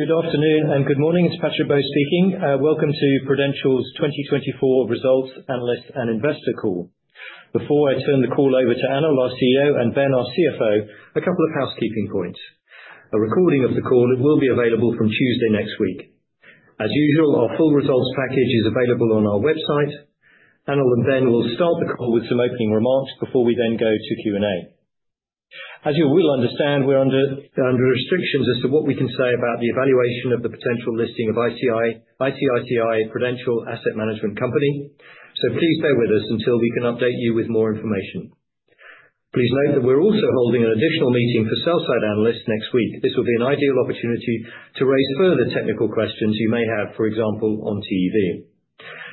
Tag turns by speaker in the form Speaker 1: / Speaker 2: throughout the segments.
Speaker 1: Good afternoon and good morning. It's Patrick Bowes speaking. Welcome to Prudential's 2024 Results Analyst and Investor Call. Before I turn the call over to Anil, our CEO, and Ben, our CFO, a couple of housekeeping points. A recording of the call will be available from Tuesday next week. As usual, our full results package is available on our website. Anil and Ben will start the call with some opening remarks before we then go to Q&A. As you will understand, we're under restrictions as to what we can say about the evaluation of the potential listing of ICICI Prudential Asset Management Company. Please bear with us until we can update you with more information. Please note that we're also holding an additional meeting for sell-side analysts next week. This will be an ideal opportunity to raise further technical questions you may have, for example, on TV.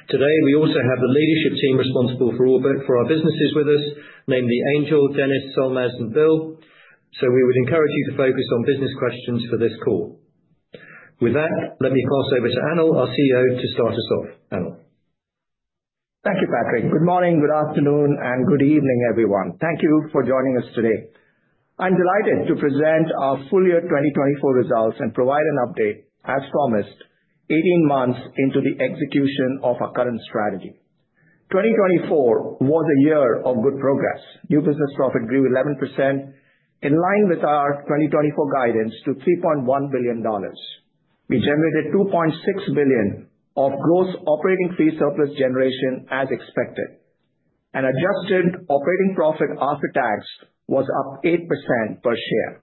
Speaker 1: Today, we also have the leadership team responsible for our businesses with us, namely Angel, Dennis, Solmaz, and Bill. We would encourage you to focus on business questions for this call. With that, let me pass over to Anil, our CEO, to start us off. Anil.
Speaker 2: Thank you, Patrick. Good morning, good afternoon, and good evening, everyone. Thank you for joining us today. I'm delighted to present our full year 2024 results and provide an update, as promised, 18 months into the execution of our current strategy. 2024 was a year of good progress. New business profit grew 11%, in line with our 2024 guidance to $3.1 billion. We generated $2.6 billion of gross operating free surplus generation, as expected. Adjusted operating profit after tax was up 8% per share.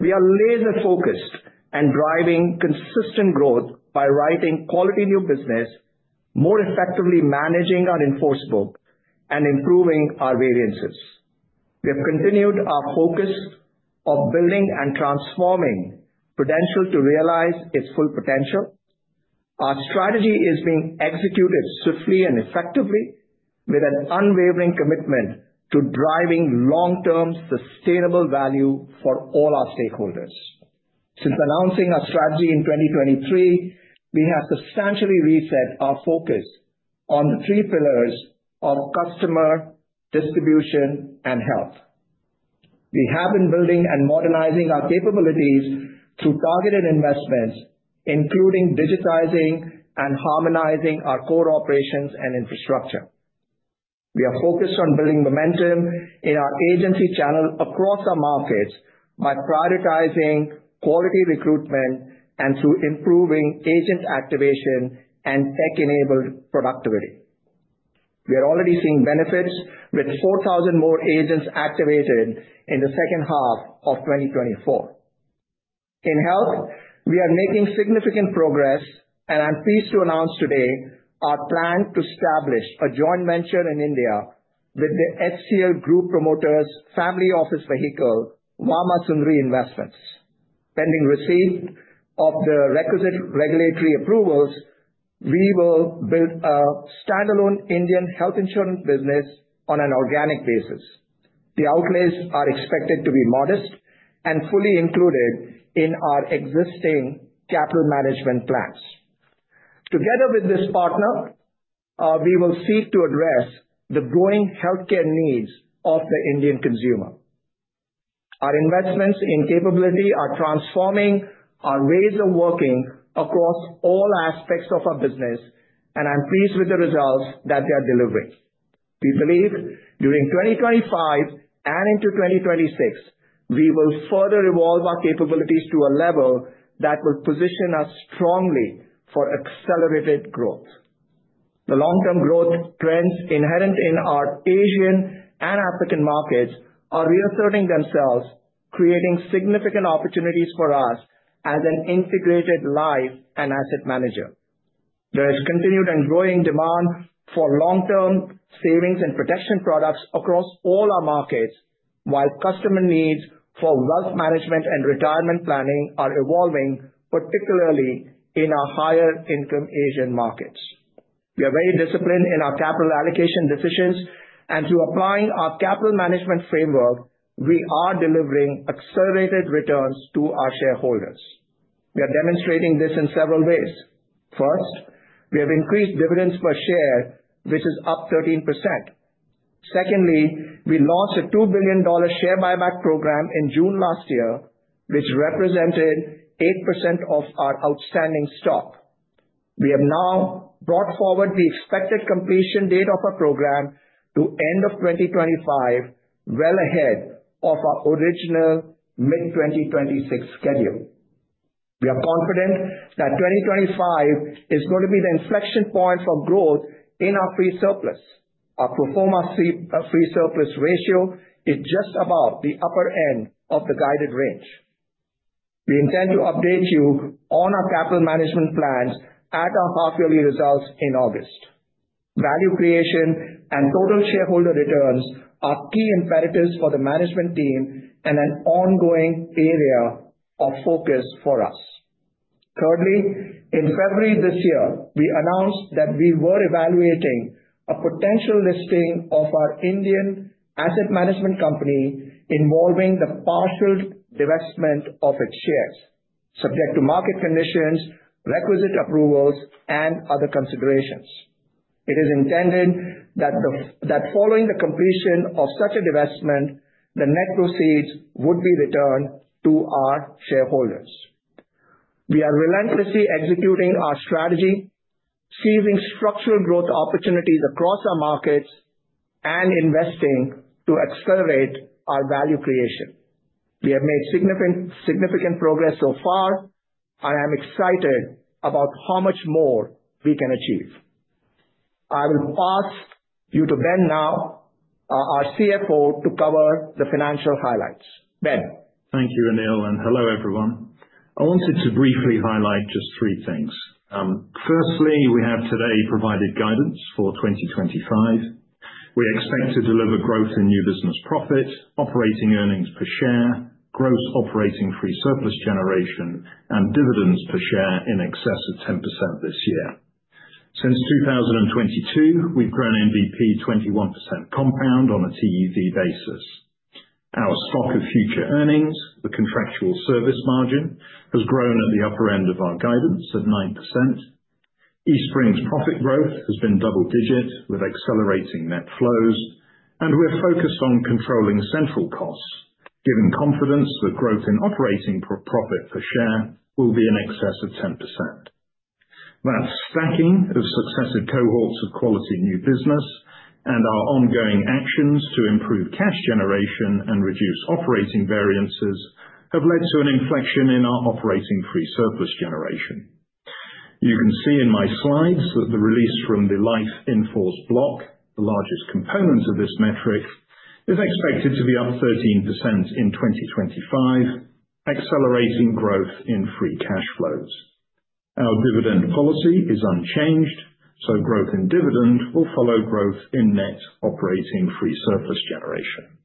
Speaker 2: We are laser-focused and driving consistent growth by writing quality new business, more effectively managing our in-force book, and improving our variances. We have continued our focus of building and transforming Prudential to realize its full potential. Our strategy is being executed swiftly and effectively with an unwavering commitment to driving long-term sustainable value for all our stakeholders. Since announcing our strategy in 2023, we have substantially reset our focus on the three pillars of customer, distribution, and health. We have been building and modernizing our capabilities through targeted investments, including digitizing and harmonizing our core operations and infrastructure. We are focused on building momentum in our agency channel across our markets by prioritizing quality recruitment and through improving agent activation and tech-enabled productivity. We are already seeing benefits with 4,000 more agents activated in the second half of 2024. In health, we are making significant progress, and I'm pleased to announce today our plan to establish a joint venture in India with the HCL Group promoters' family office vehicle, Vama Sundari Investments. Pending receipt of the requisite regulatory approvals, we will build a standalone Indian health insurance business on an organic basis. The outlays are expected to be modest and fully included in our existing capital management plans. Together with this partner, we will seek to address the growing healthcare needs of the Indian consumer. Our investments in capability are transforming our ways of working across all aspects of our business, and I'm pleased with the results that they are delivering. We believe during 2025 and into 2026, we will further evolve our capabilities to a level that will position us strongly for accelerated growth. The long-term growth trends inherent in our Asian and African markets are reasserting themselves, creating significant opportunities for us as an integrated life and asset manager. There is continued and growing demand for long-term savings and protection products across all our markets, while customer needs for wealth management and retirement planning are evolving, particularly in our higher-income Asian markets. We are very disciplined in our capital allocation decisions, and through applying our capital management framework, we are delivering accelerated returns to our shareholders. We are demonstrating this in several ways. First, we have increased dividends per share, which is up 13%. Secondly, we launched a $2 billion share buyback program in June last year, which represented 8% of our outstanding stock. We have now brought forward the expected completion date of our program to end of 2025, well ahead of our original mid-2026 schedule. We are confident that 2025 is going to be the inflection point for growth in our free surplus. Our proforma free surplus ratio is just above the upper end of the guided range. We intend to update you on our capital management plans at our half-yearly results in August. Value creation and total shareholder returns are key imperatives for the management team and an ongoing area of focus for us. Thirdly, in February this year, we announced that we were evaluating a potential listing of our Indian asset management company involving the partial divestment of its shares, subject to market conditions, requisite approvals, and other considerations. It is intended that following the completion of such a divestment, the net proceeds would be returned to our shareholders. We are relentlessly executing our strategy, seizing structural growth opportunities across our markets, and investing to accelerate our value creation. We have made significant progress so far, and I'm excited about how much more we can achieve. I will pass you to Ben now, our CFO, to cover the financial highlights. Ben.
Speaker 3: Thank you, Anil. Hello, everyone. I wanted to briefly highlight just three things. Firstly, we have today provided guidance for 2025. We expect to deliver growth in new business profit, operating earnings per share, gross operating free surplus generation, and dividends per share in excess of 10% this year. Since 2022, we've grown NBP 21% compound on a TEV basis. Our stock of future earnings, the contractual service margin, has grown at the upper end of our guidance at 9%. EastSpring's profit growth has been double-digit with accelerating net flows, and we are focused on controlling central costs, giving confidence that growth in operating profit per share will be in excess of 10%. That stacking of successive cohorts of quality new business and our ongoing actions to improve cash generation and reduce operating variances have led to an inflection in our operating free surplus generation. You can see in my slides that the release from the life in-force block, the largest component of this metric, is expected to be up 13% in 2025, accelerating growth in free cash flows. Our dividend policy is unchanged, so growth in dividend will follow growth in net operating free surplus generation.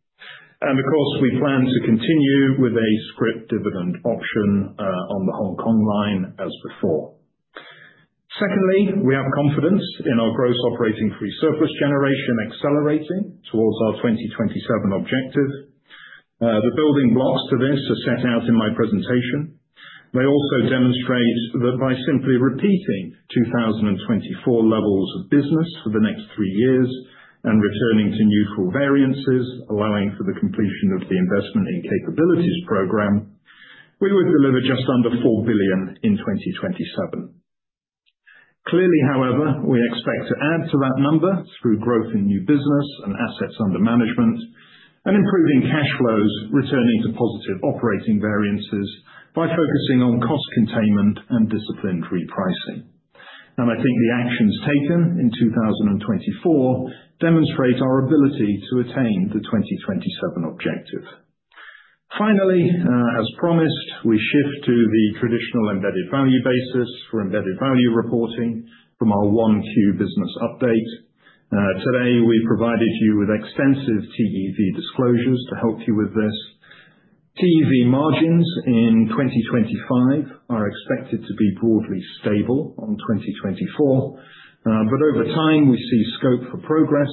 Speaker 3: Of course, we plan to continue with a scrip dividend option on the Hong Kong line as before. Secondly, we have confidence in our gross operating free surplus generation accelerating towards our 2027 objective. The building blocks to this are set out in my presentation. They also demonstrate that by simply repeating 2024 levels of business for the next three years and returning to neutral variances, allowing for the completion of the investment in capabilities program, we would deliver just under $4 billion in 2027. Clearly, however, we expect to add to that number through growth in new business and assets under management and improving cash flows, returning to positive operating variances by focusing on cost containment and disciplined repricing. I think the actions taken in 2024 demonstrate our ability to attain the 2027 objective. Finally, as promised, we shift to the traditional embedded value basis for embedded value reporting from our Q1 business update. Today, we provided you with extensive TEV disclosures to help you with this. TEV margins in 2025 are expected to be broadly stable on 2024, but over time, we see scope for progress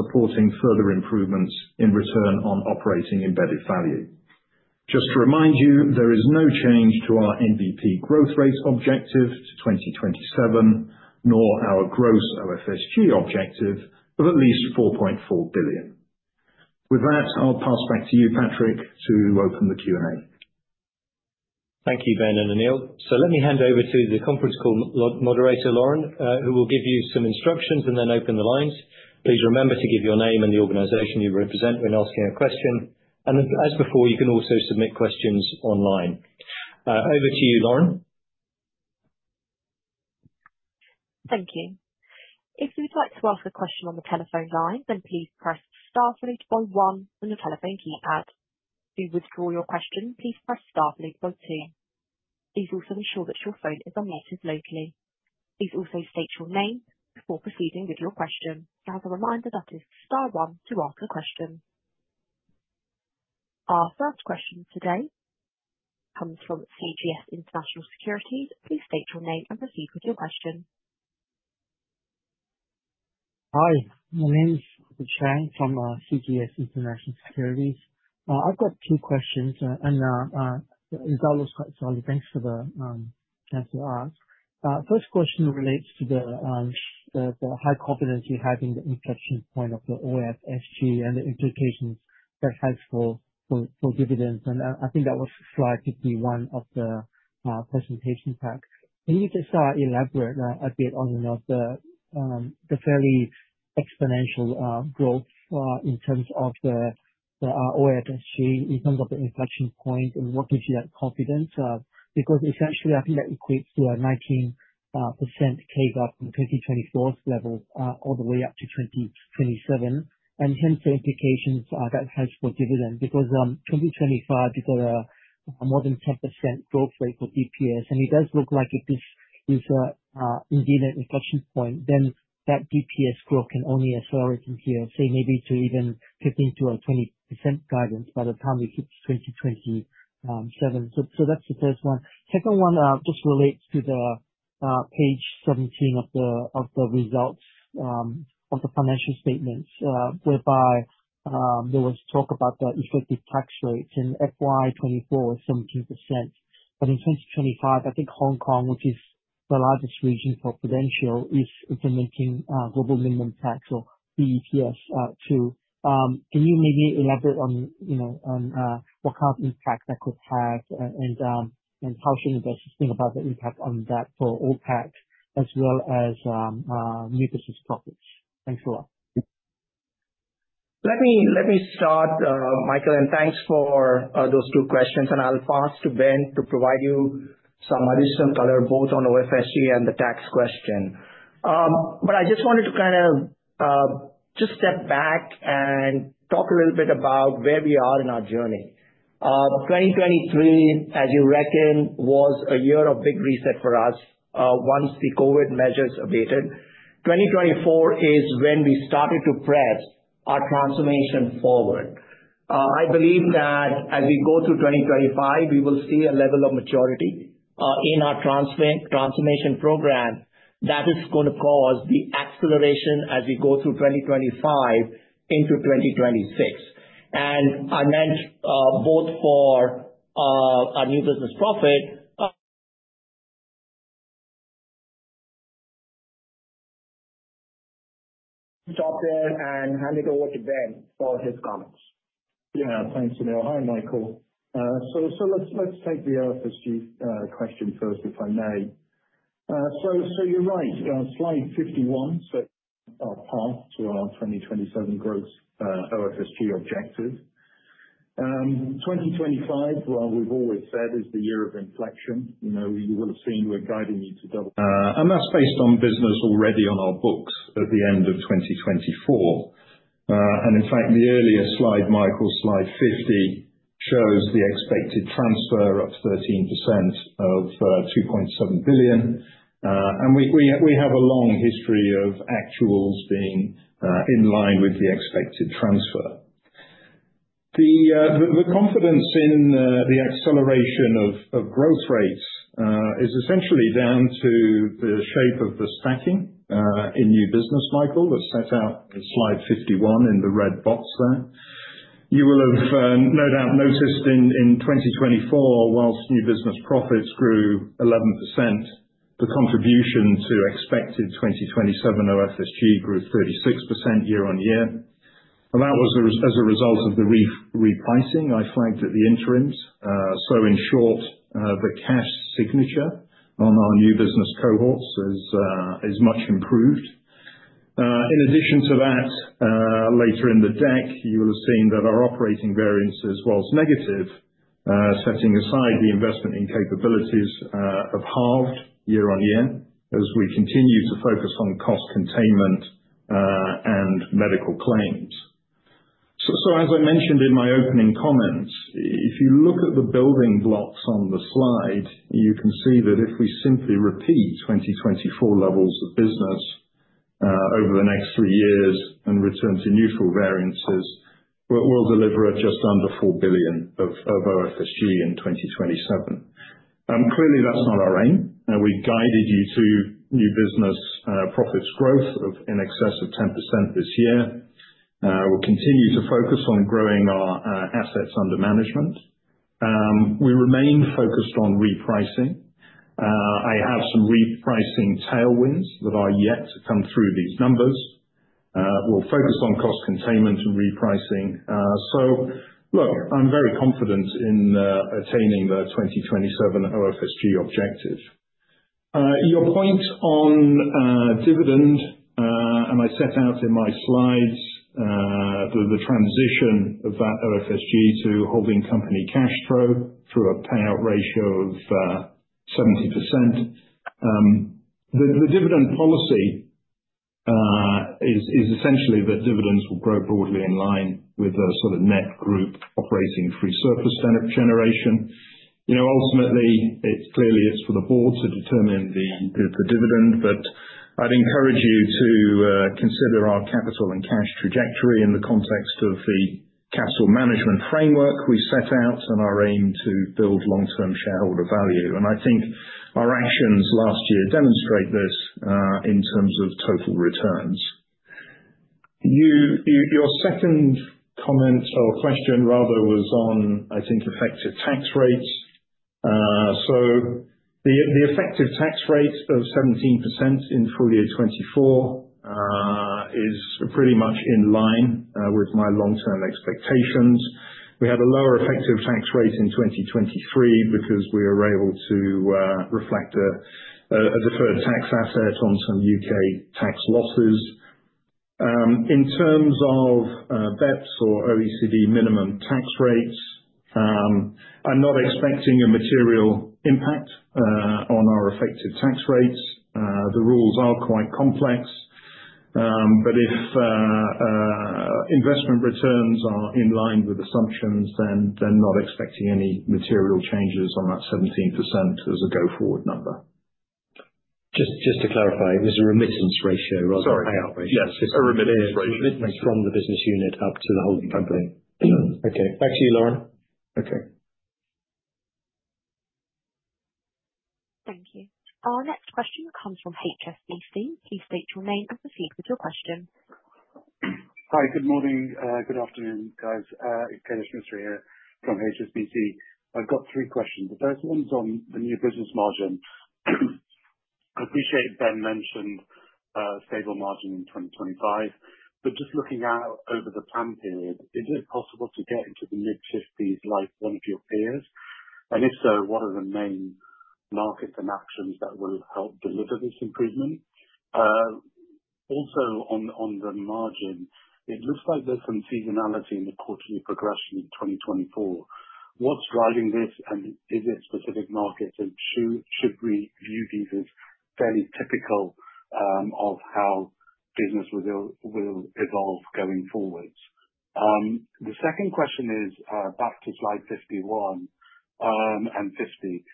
Speaker 3: supporting further improvements in return on operating embedded value. Just to remind you, there is no change to our NBP growth rate objective to 2027, nor our gross OFSG objective of at least $4.4 billion. With that, I'll pass back to you, Patrick, to open the Q&A.
Speaker 1: Thank you, Ben and Anil. Let me hand over to the conference call moderator, Lauren, who will give you some instructions and then open the lines. Please remember to give your name and the organization you represent when asking a question. As before, you can also submit questions online. Over to you, Lauren.
Speaker 4: Thank you. If you'd like to ask a question on the telephone line, then please press star one on your telephone keypad. To withdraw your question, please press star two. Please also ensure that your phone is unmuted locally. Please also state your name before proceeding with your question. As a reminder, that is star one to ask a question. Our first question today comes from CGS International Securities. Please state your name and proceed with your question.
Speaker 5: Hi, my name is Shane from CGS International Securities. I've got two questions, and the result was quite solid. Thanks for the answer you asked. First question relates to the high confidence you have in the inflection point of the OFSG and the implications that it has for dividends. I think that was slide 51 of the presentation pack. Can you just elaborate a bit on the fairly exponential growth in terms of the OFSG, in terms of the inflection point, and what gives you that confidence? Because essentially, I think that equates to a 19% K-gap from 2024's level all the way up to 2027, and hence the implications that has for dividend. Because 2025, you've got a more than 10% growth rate for DPS, and it does look like if this is indeed an inflection point, then that DPS growth can only accelerate in here, say maybe to even 15%-20% guidance by the time we hit 2027. That is the first one. The second one just relates to page 17 of the results of the financial statements, whereby there was talk about the effective tax rates, and FY2024 was 17%. In 2025, I think Hong Kong, which is the largest region for Prudential, is implementing global minimum tax or BEPS II. Can you maybe elaborate on what kind of impact that could have, and how should investors think about the impact on that for OPAC, as well as new business profits? Thanks a lot.
Speaker 2: Let me start, Michael, and thanks for those two questions. I'll pass to Ben to provide you some additional color, both on OFSG and the tax question. I just wanted to kind of just step back and talk a little bit about where we are in our journey. 2023, as you reckon, was a year of big reset for us once the COVID measures abated. 2024 is when we started to press our transformation forward. I believe that as we go through 2025, we will see a level of maturity in our transformation program that is going to cause the acceleration as we go through 2025 into 2026. I meant both for our new business profit. Stop there and hand it over to Ben for his comments.
Speaker 3: Yeah, thanks, Anil. Hi, Michael. Let's take the OFSG question first, if I may. You're right, slide 51. Our path to our 2027 growth OFSG objective. 2025, we've always said, is the year of inflection. You will have seen we're guiding you to. That is based on business already on our books at the end of 2024. In fact, the earlier slide, Michael, slide 50, shows the expected transfer of 13% of $2.7 billion. We have a long history of actuals being in line with the expected transfer. The confidence in the acceleration of growth rates is essentially down to the shape of the stacking in new business, Michael, that is set out in slide 51 in the red box there. You will have no doubt noticed in 2024, whilst new business profits grew 11%, the contribution to expected 2027 OFSG grew 36% year on year. That was as a result of the repricing I flagged at the interims. In short, the cash signature on our new business cohorts is much improved. In addition to that, later in the deck, you will have seen that our operating variances, whilst negative, setting aside the investment in capabilities, have halved year on year as we continue to focus on cost containment and medical claims. As I mentioned in my opening comments, if you look at the building blocks on the slide, you can see that if we simply repeat 2024 levels of business over the next three years and return to neutral variances, we'll deliver just under $4 billion of OFSG in 2027. Clearly, that's not our aim. We guided you to new business profits growth of in excess of 10% this year. We'll continue to focus on growing our assets under management. We remain focused on repricing. I have some repricing tailwinds that are yet to come through these numbers. We'll focus on cost containment and repricing. I am very confident in attaining the 2027 OFSG objective. Your point on dividend, and I set out in my slides the transition of that OFSG to holding company cash flow through a payout ratio of 70%. The dividend policy is essentially that dividends will grow broadly in line with the sort of net group operating free surplus generation. Ultimately, clearly, it is for the board to determine the dividend, but I would encourage you to consider our capital and cash trajectory in the context of the capital management framework we set out and our aim to build long-term shareholder value. I think our actions last year demonstrate this in terms of total returns. Your second comment or question, rather, was on, I think, effective tax rates. The effective tax rate of 17% in full year 2024 is pretty much in line with my long-term expectations. We had a lower effective tax rate in 2023 because we were able to reflect a deferred tax asset on some U.K. tax losses. In terms of BEPS or OECD minimum tax rates, I'm not expecting a material impact on our effective tax rates. The rules are quite complex. If investment returns are in line with assumptions, then I'm not expecting any material changes on that 17% as a go-forward number.
Speaker 2: Just to clarify, it was a remittance ratio rather than payout ratio.
Speaker 3: Sorry. Yes, a remittance ratio. It's remittance from the business unit up to the holding company. Okay, back to you, Lauren. Okay.
Speaker 4: Thank you. Our next question comes from HSBC. Please state your name and proceed with your question.
Speaker 6: Hi, good morning, good afternoon, guys. It's Kian Schmitz here from HSBC. I've got three questions. The first one's on the new business margin. I appreciate Ben mentioned stable margin in 2025, but just looking out over the planned period, is it possible to get into the mid-50s like one of your peers? If so, what are the main markets and actions that will help deliver this improvement? Also, on the margin, it looks like there's some seasonality in the quarterly progression in 2024. What's driving this, and is it specific markets, and should we view these as fairly typical of how business will evolve going forward? The second question is back to slide 51 and 50.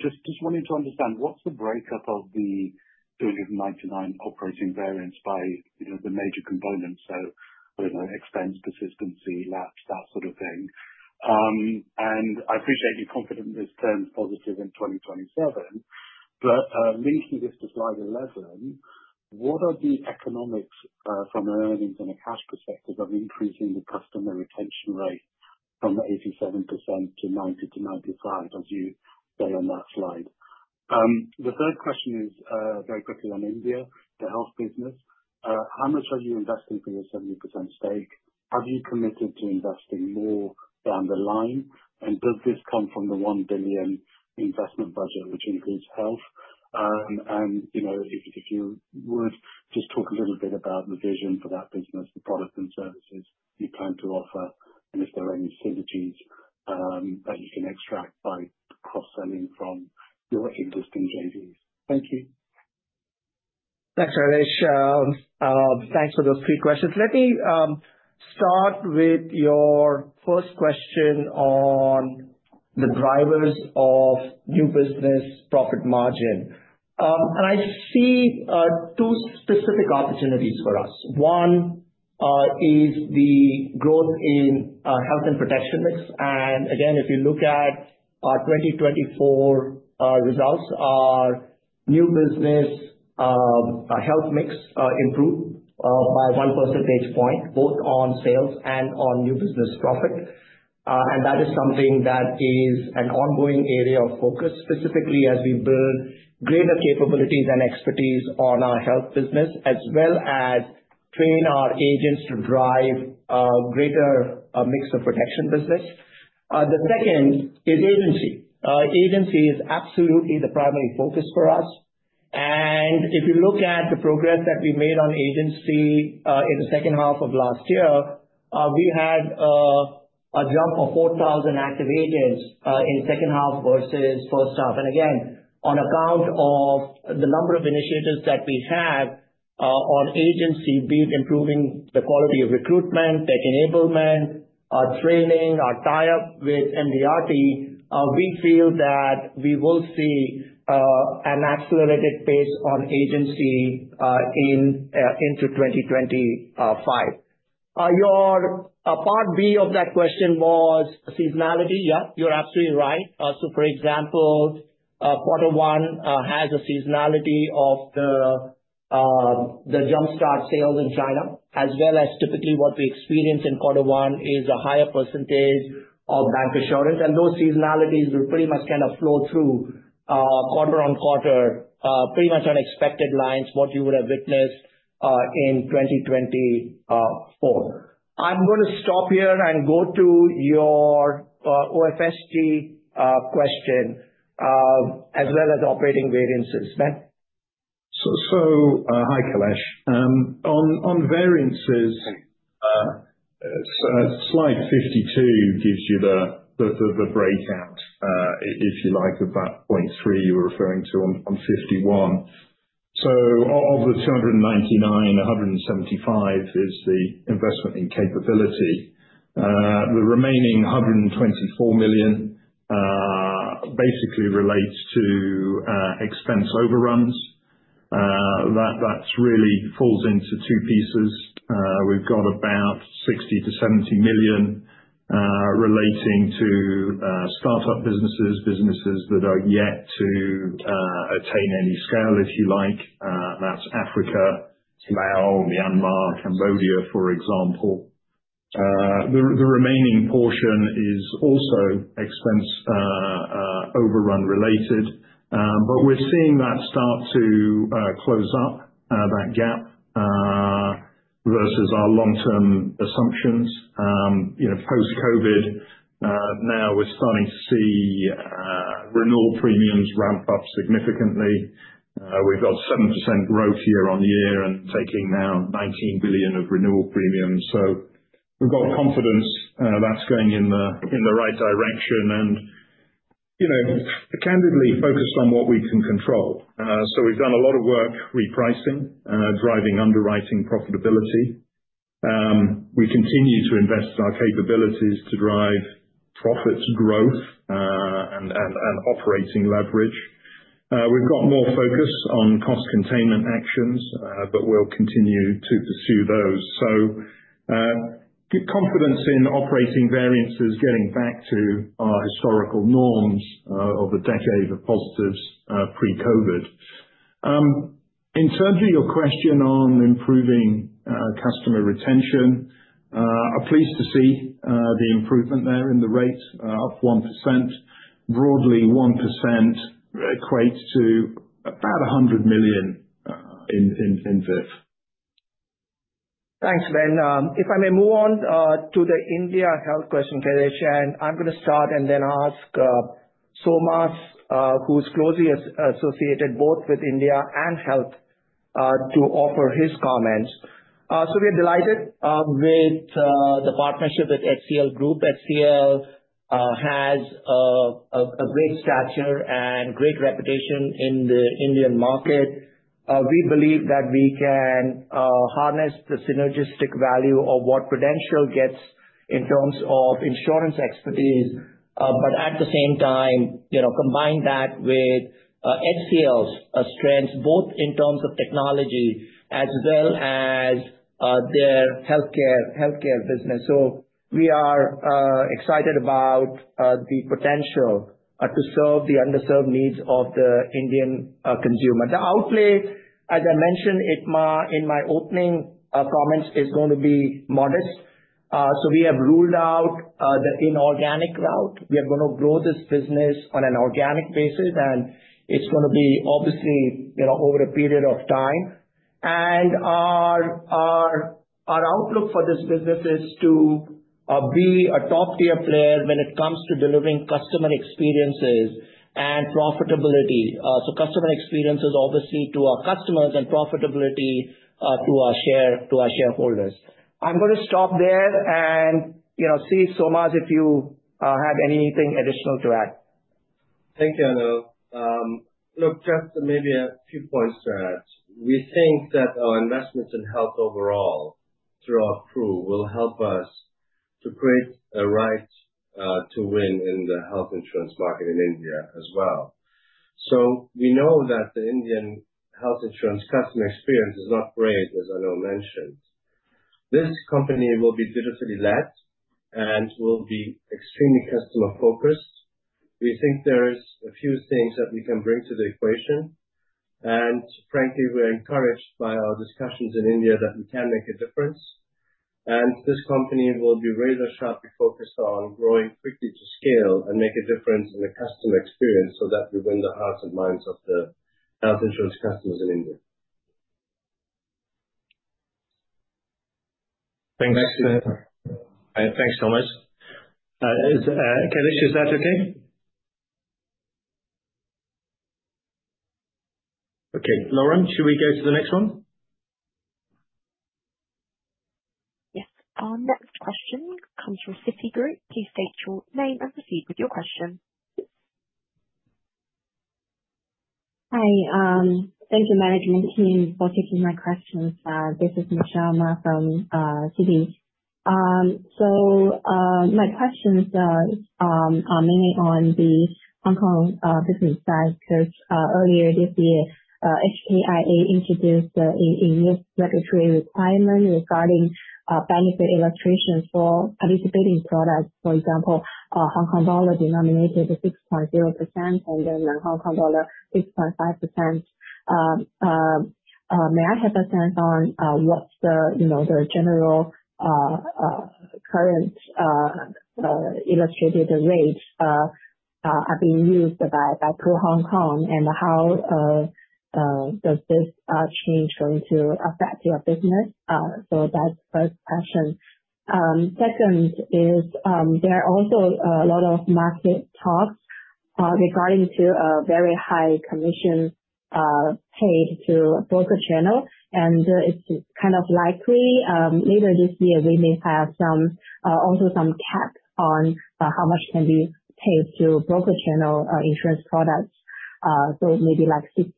Speaker 6: Just wanting to understand, what's the breakup of the 299 operating variance by the major components? So expense, persistency, laps, that sort of thing. I appreciate your confidence this turned positive in 2027. Linking this to slide 11, what are the economics from an earnings and a cash perspective of increasing the customer retention rate from 87% to 90% to 95%, as you say on that slide? The third question is very quickly on India, the health business. How much are you investing for your 70% stake? Have you committed to investing more down the line? Does this come from the $1 billion investment budget, which includes health? If you would, just talk a little bit about the vision for that business, the products and services you plan to offer, and if there are any synergies that you can extract by cross-selling from your existing JVs. Thank you.
Speaker 2: Thanks, Schmitz. Thanks for those three questions. Let me start with your first question on the drivers of new business profit margin. I see two specific opportunities for us. One is the growth in health and protection mix. If you look at our 2024 results, our new business health mix improved by 1 percentage point, both on sales and on new business profit. That is something that is an ongoing area of focus, specifically as we build greater capabilities and expertise on our health business, as well as train our agents to drive a greater mix of protection business. The second is agency. Agency is absolutely the primary focus for us. If you look at the progress that we made on agency in the second half of last year, we had a jump of 4,000 active agents in the second half versus the first half. Again, on account of the number of initiatives that we have on agency, be it improving the quality of recruitment, tech enablement, our training, our tie-up with MDRT, we feel that we will see an accelerated pace on agency into 2025. Your part B of that question was seasonality. Yeah, you're absolutely right. For example, quarter one has a seasonality of the jumpstart sales in China, as well as typically what we experience in quarter one is a higher percentage of bank assurance. Those seasonalities will pretty much kind of flow through quarter on quarter, pretty much on expected lines, what you would have witnessed in 2024. I'm going to stop here and go to your OFSG question, as well as operating variances. Ben.
Speaker 3: Hi, Kalesh. On variances, slide 52 gives you the breakout, if you like, of that point 3 you were referring to on 51. Of the $299 million, $175 million is the investment in capability. The remaining $124 million basically relates to expense overruns. That really falls into two pieces. We have about $60 million-$70 million relating to startup businesses, businesses that are yet to attain any scale, if you like. That is Africa, Laos, Myanmar, Cambodia, for example. The remaining portion is also expense overrun related. We are seeing that start to close up that gap versus our long-term assumptions. Post-COVID, now we are starting to see renewal premiums ramp up significantly. We have 7% growth year on year and taking now $19 billion of renewal premiums. We have confidence that is going in the right direction and candidly focused on what we can control. We have done a lot of work repricing, driving underwriting profitability. We continue to invest in our capabilities to drive profit growth and operating leverage. We have more focus on cost containment actions, but we will continue to pursue those. Confidence in operating variances getting back to our historical norms of a decade of positives pre-COVID. In terms of your question on improving customer retention, I am pleased to see the improvement there in the rate up 1%. Broadly, 1% equates to about $100 million in VIF.
Speaker 2: Thanks, Ben. If I may move on to the India health question, Kenneth Shan, I'm going to start and then ask Solmaz, who is closely associated both with India and health, to offer his comments. We are delighted with the partnership with HCL Group. HCL has a great stature and great reputation in the Indian market. We believe that we can harness the synergistic value of what Prudential gets in terms of insurance expertise, but at the same time, combine that with HCL's strengths, both in terms of technology as well as their healthcare business. We are excited about the potential to serve the underserved needs of the Indian consumer. The outlay, as I mentioned in my opening comments, is going to be modest. We have ruled out the inorganic route. We are going to grow this business on an organic basis, and it is going to be obviously over a period of time. Our outlook for this business is to be a top-tier player when it comes to delivering customer experiences and profitability. Customer experiences, obviously, to our customers and profitability to our shareholders. I am going to stop there and see Solmaz if you have anything additional to add.
Speaker 7: Thank you, Anil. Just maybe a few points to add. We think that our investments in health overall through our proof will help us to create a right to win in the health insurance market in India as well. We know that the Indian health insurance customer experience is not great, as Anil mentioned. This company will be digitally led and will be extremely customer-focused. We think there are a few things that we can bring to the equation. Frankly, we're encouraged by our discussions in India that we can make a difference. This company will be razor-sharply focused on growing quickly to scale and make a difference in the customer experience so that we win the hearts and minds of the health insurance customers in India.
Speaker 3: Thanks. Thanks so much. Kelesh, is that okay? Okay, Lauren, should we go to the next one?
Speaker 4: Yes. Our next question comes from Citigroup. Please state your name and proceed with your question.
Speaker 8: Hi. Thank you, management team, for taking my questions. This is Michelle Ma from Citigroup. My questions are mainly on the Hong Kong business side because earlier this year, HKIA introduced a new regulatory requirement regarding benefit illustrations for participating products. For example, Hong Kong dollar denominated 6.0% and then Hong Kong dollar 6.5%. May I have a sense on what's the general current illustrated rates being used by Prudential Hong Kong, and how is this change going to affect your business? That's the first question. Second, there are also a lot of market talks regarding a very high commission paid to broker channel. It's kind of likely later this year, we may also have some cap on how much can be paid to broker channel insurance products, maybe like 60%.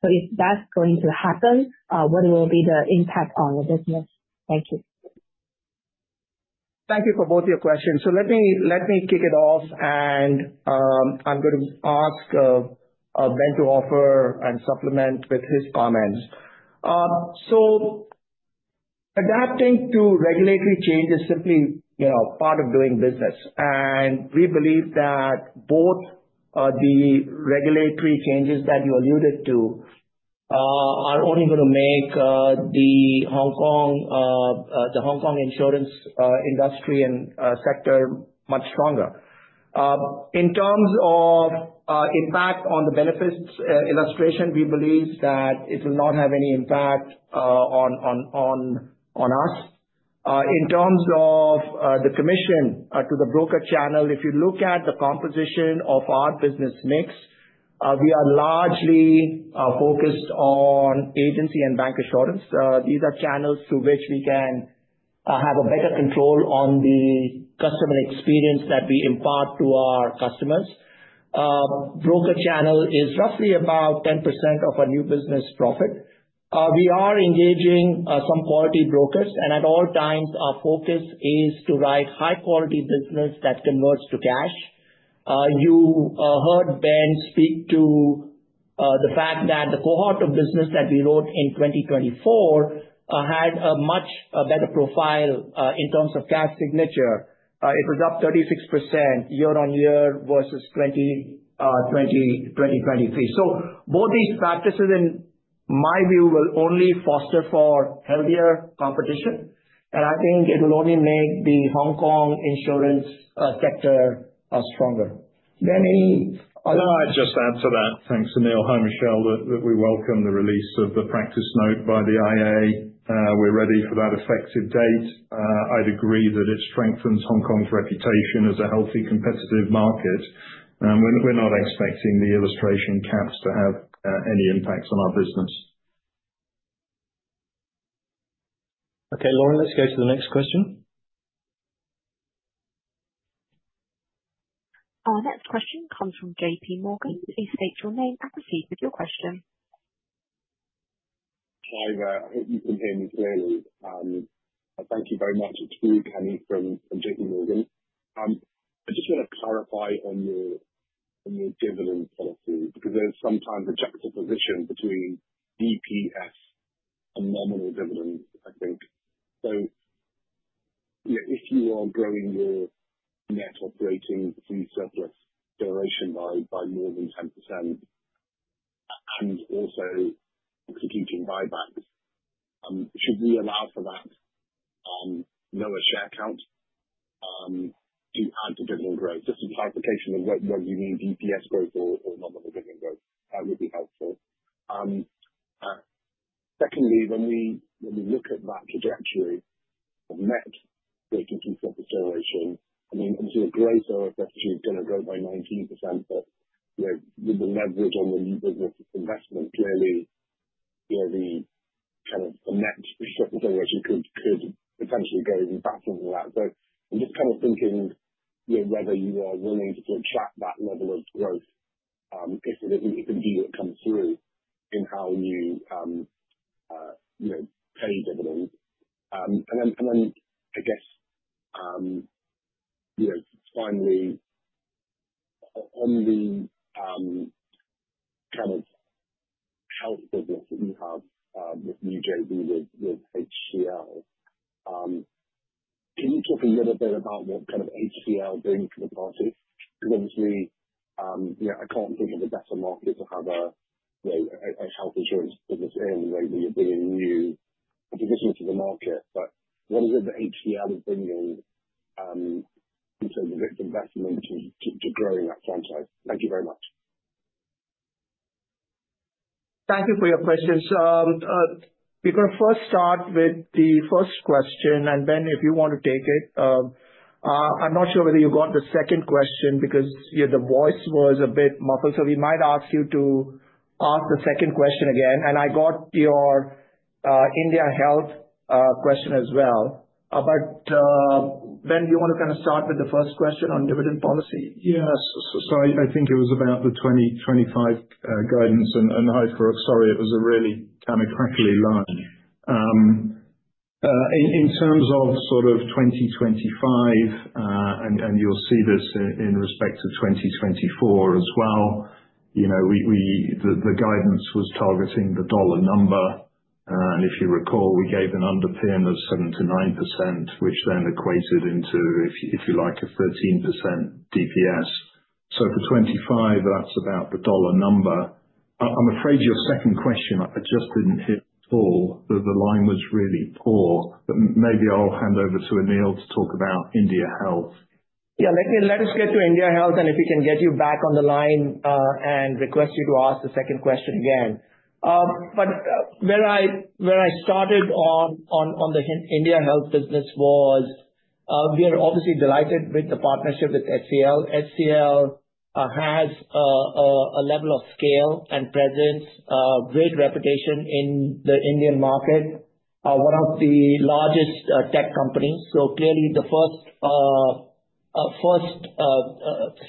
Speaker 8: If that's going to happen, what will be the impact on your business? Thank you.
Speaker 2: Thank you for both your questions. Let me kick it off, and I'm going to ask Ben to offer and supplement with his comments. Adapting to regulatory change is simply part of doing business. We believe that both the regulatory changes that you alluded to are only going to make the Hong Kong insurance industry and sector much stronger. In terms of impact on the benefits illustration, we believe that it will not have any impact on us. In terms of the commission to the broker channel, if you look at the composition of our business mix, we are largely focused on agency and bancassurance. These are channels through which we can have a better control on the customer experience that we impart to our customers. Broker channel is roughly about 10% of our new business profit. We are engaging some quality brokers, and at all times, our focus is to write high-quality business that converts to cash. You heard Ben speak to the fact that the cohort of business that we wrote in 2024 had a much better profile in terms of cash signature. It was up 36% year on year versus 2023. Both these practices, in my view, will only foster for healthier competition. I think it will only make the Hong Kong insurance sector stronger. Ben, any other?
Speaker 3: I'd just add to that. Thanks, Anil. Hi, Michelle. We welcome the release of the practice note by the IA. We're ready for that effective date. I agree that it strengthens Hong Kong's reputation as a healthy competitive market. We're not expecting the illustration caps to have any impact on our business.
Speaker 1: Okay, Lauren, let's go to the next question.
Speaker 4: Our next question comes from J.P. Morgan. Please state your name and proceed with your question.
Speaker 9: Hi there. I hope you can hear me clearly. Thank you very much. It's for you, Kenny, from J.P. Morgan. I just want to clarify on your dividend policy because there's sometimes a juxtaposition between EPS and nominal dividends, I think. If you are growing your net operating free surplus generation by more than 10% and also executing buybacks, should we allow for that lower share count to add to dividend growth? Just some clarification of what you mean, EPS growth or nominal dividend growth. That would be helpful. Secondly, when we look at that trajectory of net operating free surplus generation, I mean, obviously, the growth of efficiency is going to grow by 19%, but with the leverage on the new business investment, clearly, the kind of net surplus generation could potentially go even faster than that. I'm just kind of thinking whether you are willing to attract that level of growth if indeed it comes through in how you pay dividends. I guess finally, on the kind of health business that you have with the new JV with HCL, can you talk a little bit about what kind of HCL brings to the party? Because obviously, I can't think of a better market to have a health insurance business in where you're bringing new propositions to the market. What is it that HCL is bringing in terms of its investment to growing that franchise? Thank you very much.
Speaker 2: Thank you for your questions. We're going to first start with the first question. Ben, if you want to take it. I'm not sure whether you got the second question because the voice was a bit muffled. We might ask you to ask the second question again. I got your India health question as well. Ben, do you want to kind of start with the first question on dividend policy?
Speaker 3: Yes. I think it was about the 2025 guidance and I for sorry, it was a really kind of crackly line. In terms of 2025, and you'll see this in respect to 2024 as well, the guidance was targeting the dollar number. If you recall, we gave an underpin of 7%-9%, which then equated into, if you like, a 13% DPS. For 2025, that's about the dollar number. I'm afraid your second question, I just didn't hear at all as the line was really poor. Maybe I'll hand over to Anil to talk about India health.
Speaker 2: Yeah, let us get to India health, and if we can get you back on the line and request you to ask the second question again. Where I started on the India health business was we are obviously delighted with the partnership with HCL. HCL has a level of scale and presence, great reputation in the Indian market, one of the largest tech companies. Clearly, the first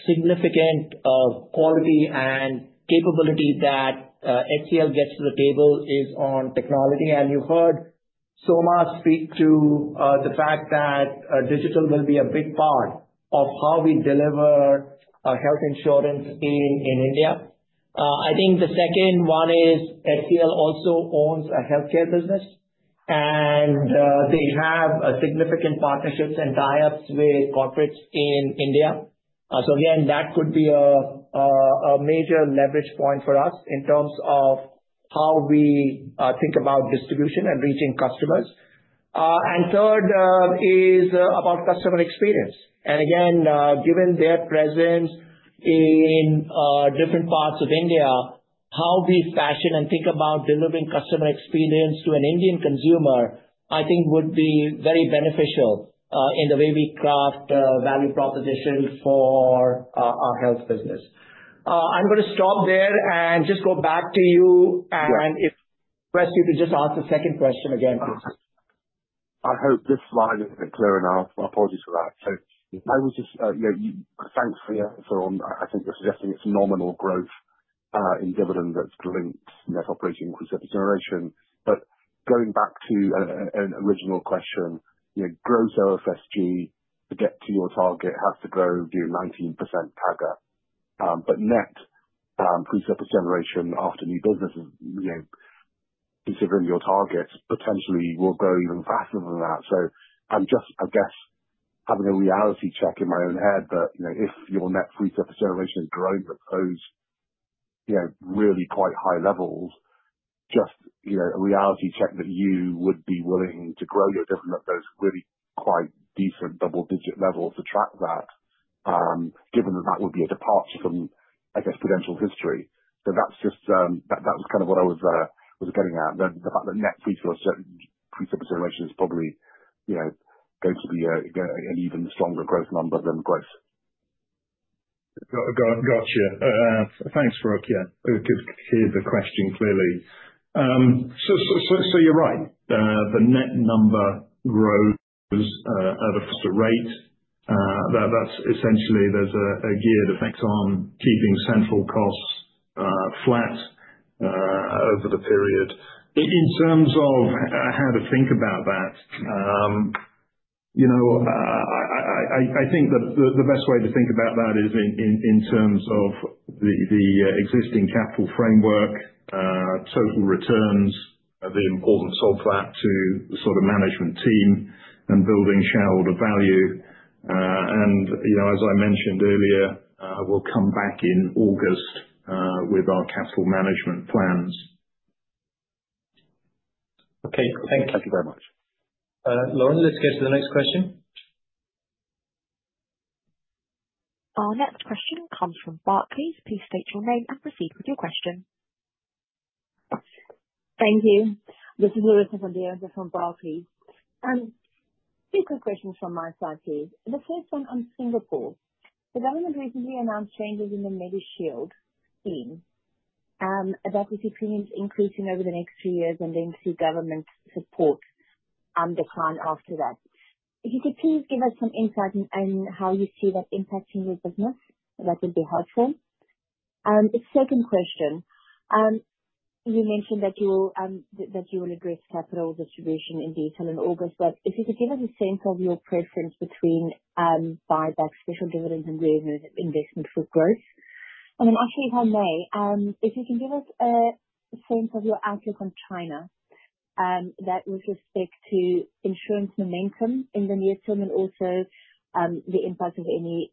Speaker 2: significant quality and capability that HCL gets to the table is on technology. You heard Solmaz speak to the fact that digital will be a big part of how we deliver health insurance in India. I think the second one is HCL also owns a healthcare business, and they have significant partnerships and tie-ups with corporates in India. That could be a major leverage point for us in terms of how we think about distribution and reaching customers. Third is about customer experience. Again, given their presence in different parts of India, how we fashion and think about delivering customer experience to an Indian consumer, I think would be very beneficial in the way we craft value proposition for our health business. I'm going to stop there and just go back to you and request you to just ask the second question again, please.
Speaker 9: I hope this slide is a bit clear enough. Apologies for that. I would just thanks for your answer. I think you're suggesting it's nominal growth in dividend that's linked to net operating fee surplus generation. Going back to an original question, gross OFSG to get to your target has to grow, do 19% TAGA. Net fee surplus generation after new business, considering your targets, potentially will grow even faster than that. I'm just, I guess, having a reality check in my own head that if your net fee surplus generation has grown to those really quite high levels, just a reality check that you would be willing to grow your dividend at those really quite decent double-digit levels to track that, given that that would be a departure from, I guess, Prudential history. That was kind of what I was getting at, the fact that net fee surplus generation is probably going to be an even stronger growth number than gross.
Speaker 3: Gotcha Thanks, Kenny. Yeah, I could hear the question clearly. You're right. The net number grows at a faster rate. That's essentially there's a geared effect on keeping central costs flat over the period. In terms of how to think about that, I think the best way to think about that is in terms of the existing capital framework, total returns, the importance of that to the sort of management team and building shareholder value. As I mentioned earlier, we'll come back in August with our capital management plans.
Speaker 9: Okay. Thank you. Thank you very much.
Speaker 1: Lauren, let's go to the next question.
Speaker 4: Our next question comes from Barclays. Please state your name and proceed with your question. Thank you. This is Lourdes Hassoun-Diaz from Barclays. Two quick questions from my side, please. The first one on Singapore. The government recently announced changes in the MediShield scheme, that we see premiums increasing over the next few years and then see government support and decline after that. If you could please give us some insight on how you see that impacting your business, that would be helpful. The second question, you mentioned that you will address capital distribution in detail in August, but if you could give us a sense of your preference between buyback, special dividends, and reinvestment for growth. Actually, if I may, if you can give us a sense of your outlook on China with respect to insurance momentum in the near term and also the impact of any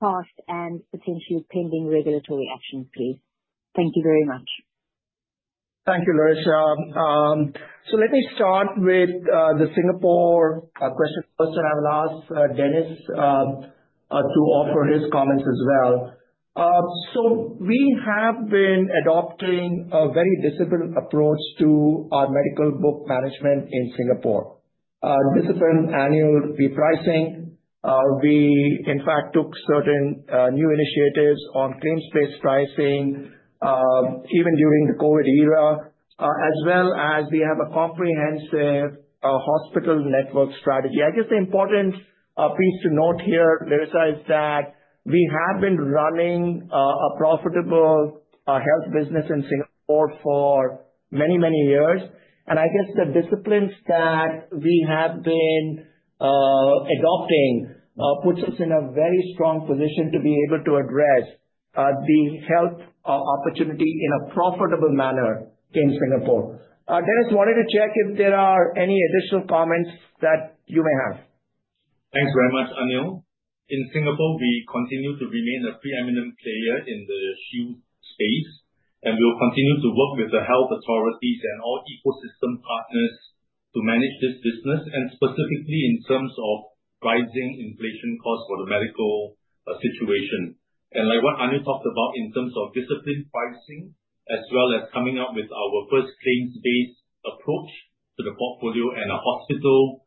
Speaker 4: past and potentially pending regulatory actions, please. Thank you very much.
Speaker 2: Thank you, Lourdes. Let me start with the Singapore question first, and I will ask Dennis to offer his comments as well. We have been adopting a very disciplined approach to our medical book management in Singapore, disciplined annual repricing. We, in fact, took certain new initiatives on claims-based pricing even during the COVID era, as well as we have a comprehensive hospital network strategy. I guess the important piece to note here, Lourdes, is that we have been running a profitable health business in Singapore for many, many years. I guess the disciplines that we have been adopting put us in a very strong position to be able to address the health opportunity in a profitable manner in Singapore. Dennis, wanted to check if there are any additional comments that you may have.
Speaker 10: Thanks very much, Anil. In Singapore, we continue to remain a preeminent player in the shield space, and we will continue to work with the health authorities and all ecosystem partners to manage this business, specifically in terms of rising inflation costs for the medical situation. Like what Anil talked about in terms of disciplined pricing, as well as coming up with our first claims-based approach to the portfolio and a hospital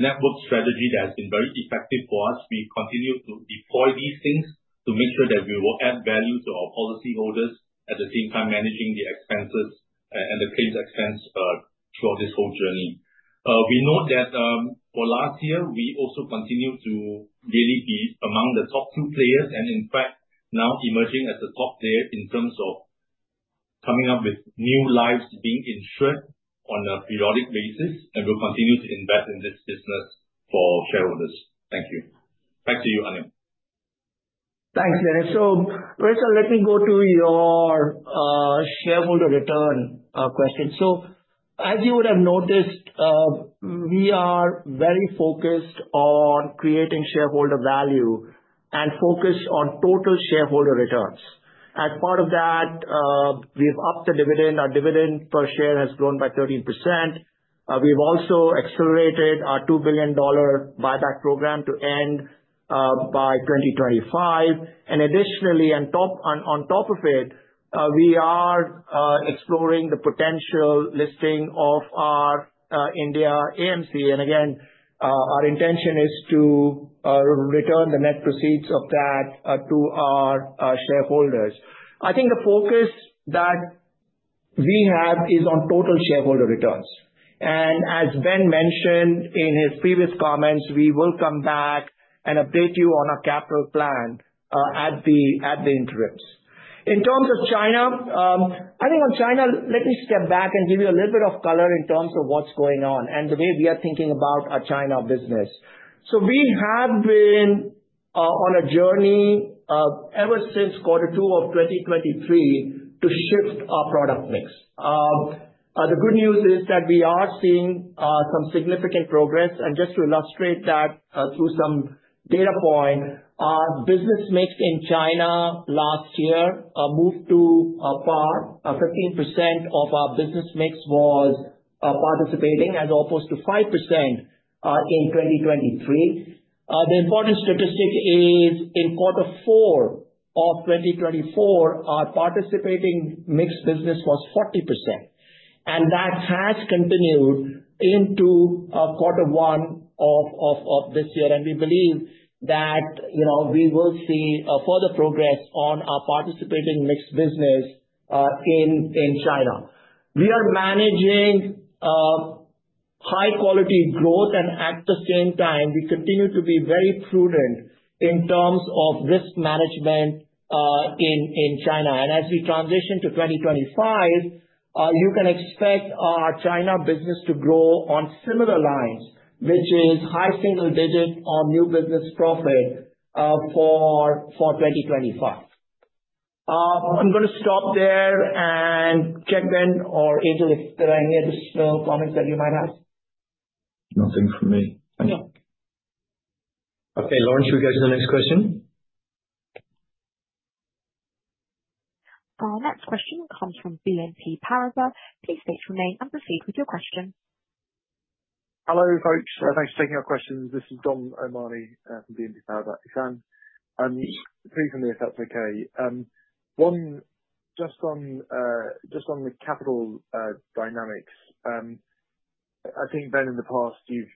Speaker 10: network strategy that has been very effective for us, we continue to deploy these things to make sure that we will add value to our policyholders at the same time managing the expenses and the claims expense throughout this whole journey. We note that for last year, we also continued to really be among the top two players and, in fact, now emerging as a top player in terms of coming up with new lives being insured on a periodic basis, and we will continue to invest in this business for shareholders. Thank you. Back to you, Anil.
Speaker 2: Thanks, Dennis. Lourdes, let me go to your shareholder return question. As you would have noticed, we are very focused on creating shareholder value and focused on total shareholder returns. As part of that, we have upped the dividend. Our dividend per share has grown by 13%. We have also accelerated our $2 billion buyback program to end by 2025. Additionally, on top of it, we are exploring the potential listing of our India AMC. Again, our intention is to return the net proceeds of that to our shareholders. I think the focus that we have is on total shareholder returns. As Ben mentioned in his previous comments, we will come back and update you on our capital plan at the interims. In terms of China, I think on China, let me step back and give you a little bit of color in terms of what's going on and the way we are thinking about our China business. We have been on a journey ever since quarter two of 2023 to shift our product mix. The good news is that we are seeing some significant progress. Just to illustrate that through some data point, our business mix in China last year moved to par. 15% of our business mix was participating as opposed to 5% in 2023. The important statistic is in quarter four of 2024, our participating mixed business was 40%. That has continued into quarter one of this year. We believe that we will see further progress on our participating mixed business in China. We are managing high-quality growth, and at the same time, we continue to be very prudent in terms of risk management in China. As we transition to 2025, you can expect our China business to grow on similar lines, which is high single-digit on new business profit for 2025. I'm going to stop there and check, Ben or Angel, if there are any additional comments that you might have.
Speaker 3: Nothing from me. Thank you.
Speaker 1: Okay. Lauren, should we go to the next question?
Speaker 4: Our next question comes from BNP Paribas. Please state your name and proceed with your question.
Speaker 11: Hello, folks. Thanks for taking our questions. This is Dom O'Mahony from BNP Paribas. Three for me, if that's okay. One, just on the capital dynamics, I think, Ben, in the past, you've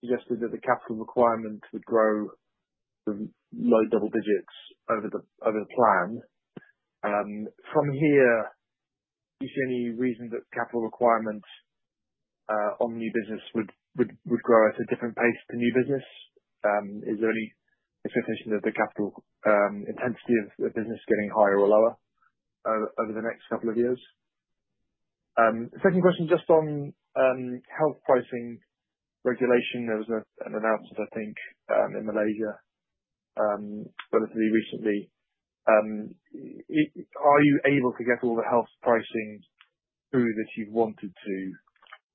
Speaker 11: suggested that the capital requirement would grow to low double digits over the plan. From here, do you see any reason that capital requirements on new business would grow at a different pace to new business? Is there any expectation that the capital intensity of the business getting higher or lower over the next couple of years? Second question, just on health pricing regulation. There was an announcement, I think, in Malaysia relatively recently. Are you able to get all the health pricing through that you've wanted to?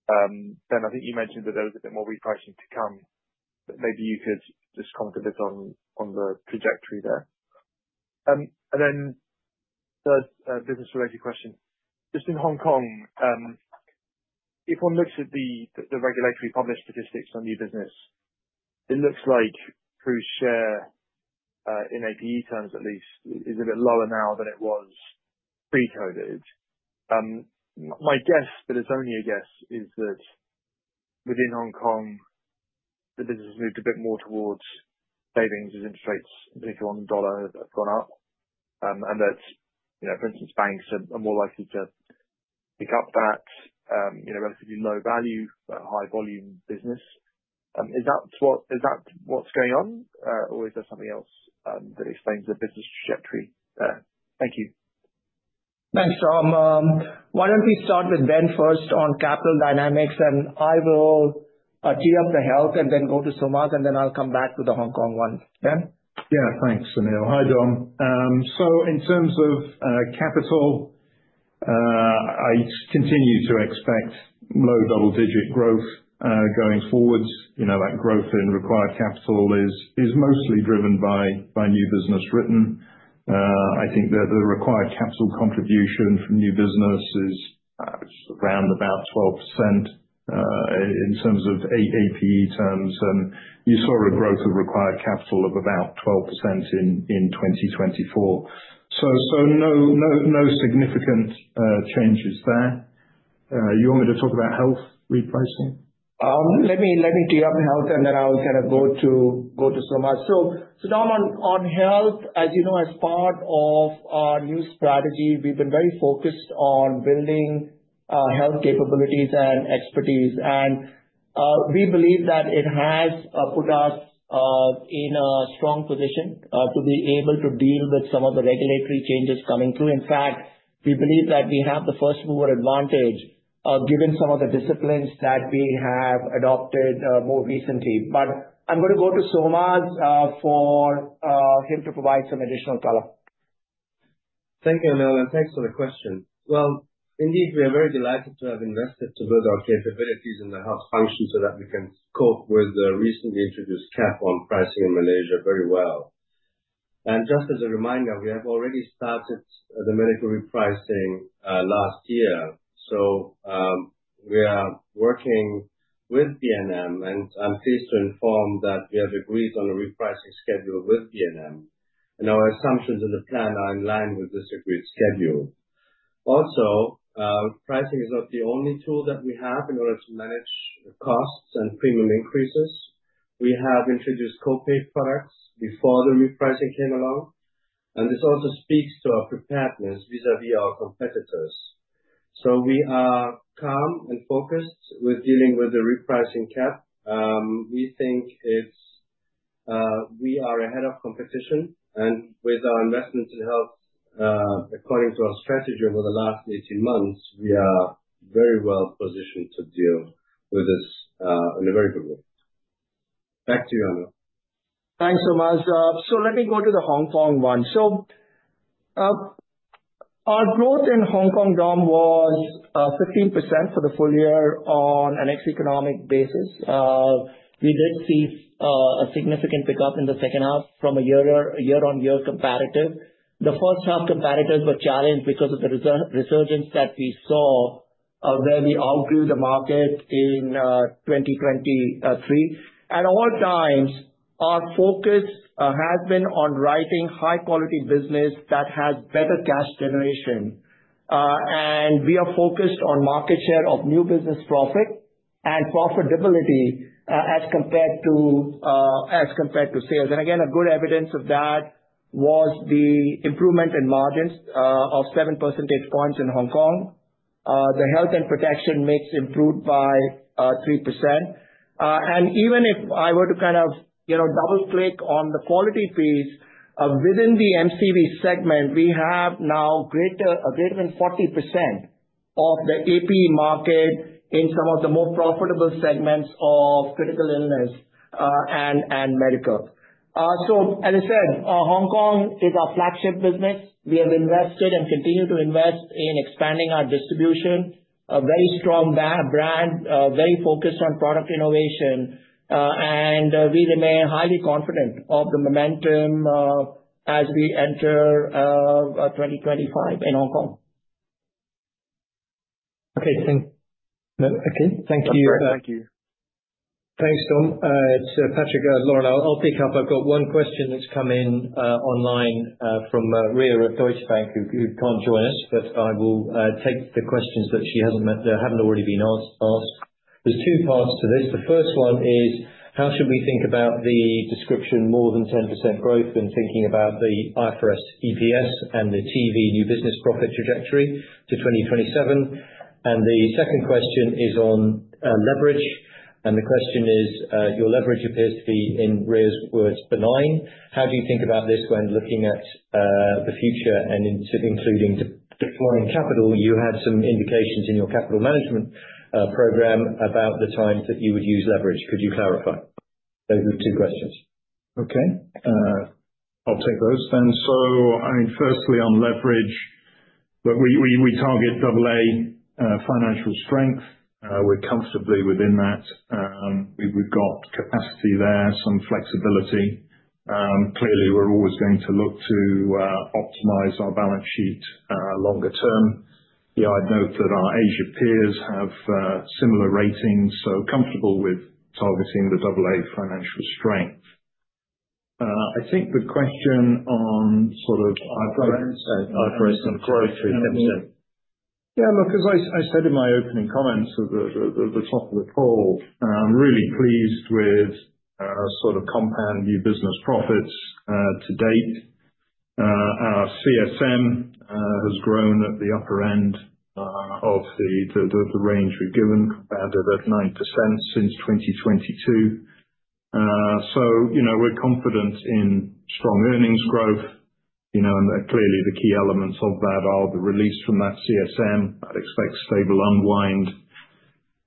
Speaker 11: Ben, I think you mentioned that there was a bit more repricing to come. Maybe you could just comment a bit on the trajectory there. Third business-related question. Just in Hong Kong, if one looks at the regulatory published statistics on new business, it looks like Prudential's share in APE terms, at least, is a bit lower now than it was pre-COVID. My guess, but it's only a guess, is that within Hong Kong, the business has moved a bit more towards savings as interest rates, particularly on the dollar, have gone up, and that, for instance, banks are more likely to pick up that relatively low-value, high-volume business. Is that what's going on, or is there something else that explains the business trajectory there? Thank you.
Speaker 2: Thanks, Dom. Why don't we start with Ben first on capital dynamics, and I will tee up the health and then go to Solmaz, and then I'll come back to the Hong Kong one. Ben?
Speaker 3: Yeah, thanks, Anil. Hi, Dom. In terms of capital, I continue to expect low double-digit growth going forwards. That growth in required capital is mostly driven by new business written. I think that the required capital contribution from new business is around about 12% in terms of APE terms. You saw a growth of required capital of about 12% in 2024. No significant changes there. You want me to talk about health repricing?
Speaker 2: Let me tee up health, and then I'll kind of go to Solmaz. Dom, on health, as you know, as part of our new strategy, we've been very focused on building health capabilities and expertise. We believe that it has put us in a strong position to be able to deal with some of the regulatory changes coming through. In fact, we believe that we have the first-mover advantage given some of the disciplines that we have adopted more recently. I'm going to go to Solmaz for him to provide some additional color.
Speaker 7: Thank you, Anil. Thank you for the question. Indeed, we are very delighted to have invested to build our capabilities in the health function so that we can cope with the recently introduced cap on pricing in Malaysia very well. Just as a reminder, we have already started the medical repricing last year. We are working with BNM, and I am pleased to inform that we have agreed on a repricing schedule with BNM. Our assumptions and the plan are in line with this agreed schedule. Also, pricing is not the only tool that we have in order to manage costs and premium increases. We have introduced copay products before the repricing came along. This also speaks to our preparedness vis-à-vis our competitors. We are calm and focused with dealing with the repricing cap. We think we are ahead of competition. With our investments in health, according to our strategy over the last 18 months, we are very well positioned to deal with this in a very good way. Back to you, Anil.
Speaker 2: Thanks, Solmaz. Let me go to the Hong Kong one. Our growth in Hong Kong, Dom, was 15% for the full year on an ex-economic basis. We did see a significant pickup in the second half from a year-on-year comparative. The first-half comparatives were challenged because of the resurgence that we saw where we outgrew the market in 2023. At all times, our focus has been on writing high-quality business that has better cash generation. We are focused on market share of new business profit and profitability as compared to sales. A good evidence of that was the improvement in margins of 7 percentage points in Hong Kong. The health and protection mix improved by 3%. If I were to kind of double-click on the quality piece, within the MCV segment, we have now greater than 40% of the APE market in some of the more profitable segments of critical illness and medical. As I said, Hong Kong is our flagship business. We have invested and continue to invest in expanding our distribution, a very strong brand, very focused on product innovation. We remain highly confident of the momentum as we enter 2025 in Hong Kong.
Speaker 11: Okay. Thank you. Thank you.
Speaker 1: Thanks, Dom. It's Patrick Lauren. I'll pick up. I've got one question that's come in online from Rhea of Deutsche Bank who can't join us, but I will take the questions that she hasn't already been asked. There's two parts to this. The first one is, how should we think about the description more than 10% growth when thinking about the IFRS EPS and the TV new business profit trajectory to 2027? The second question is on leverage. The question is, your leverage appears to be, in Rhea's words, benign. How do you think about this when looking at the future and including deploying capital? You had some indications in your capital management program about the times that you would use leverage. Could you clarify? Those are the two questions.
Speaker 3: Okay. I'll take those then. I mean, firstly, on leverage, we target AA financial strength. We're comfortably within that. We've got capacity there, some flexibility. Clearly, we're always going to look to optimize our balance sheet longer term. I'd note that our Asia peers have similar ratings, so comfortable with targeting the AA financial strength. I think the question on sort of IFRS and growth through 10%. Yeah. Look, as I said in my opening comments at the top of the call, I'm really pleased with sort of compound new business profits to date. Our CSM has grown at the upper end of the range we've given, added at 9% since 2022. We're confident in strong earnings growth. Clearly, the key elements of that are the release from that CSM. I'd expect stable unwind.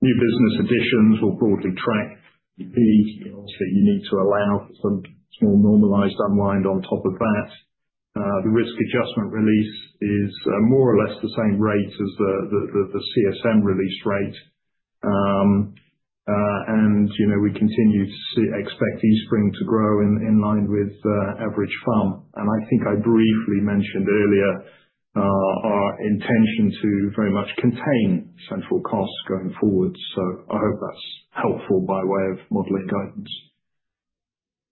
Speaker 3: New business additions will broadly track. Obviously, you need to allow some small normalized unwind on top of that. The risk adjustment release is more or less the same rate as the CSM release rate. We continue to expect EastSpring to grow in line with average FAM. I think I briefly mentioned earlier our intention to very much contain central costs going forward. I hope that's helpful by way of modeling guidance.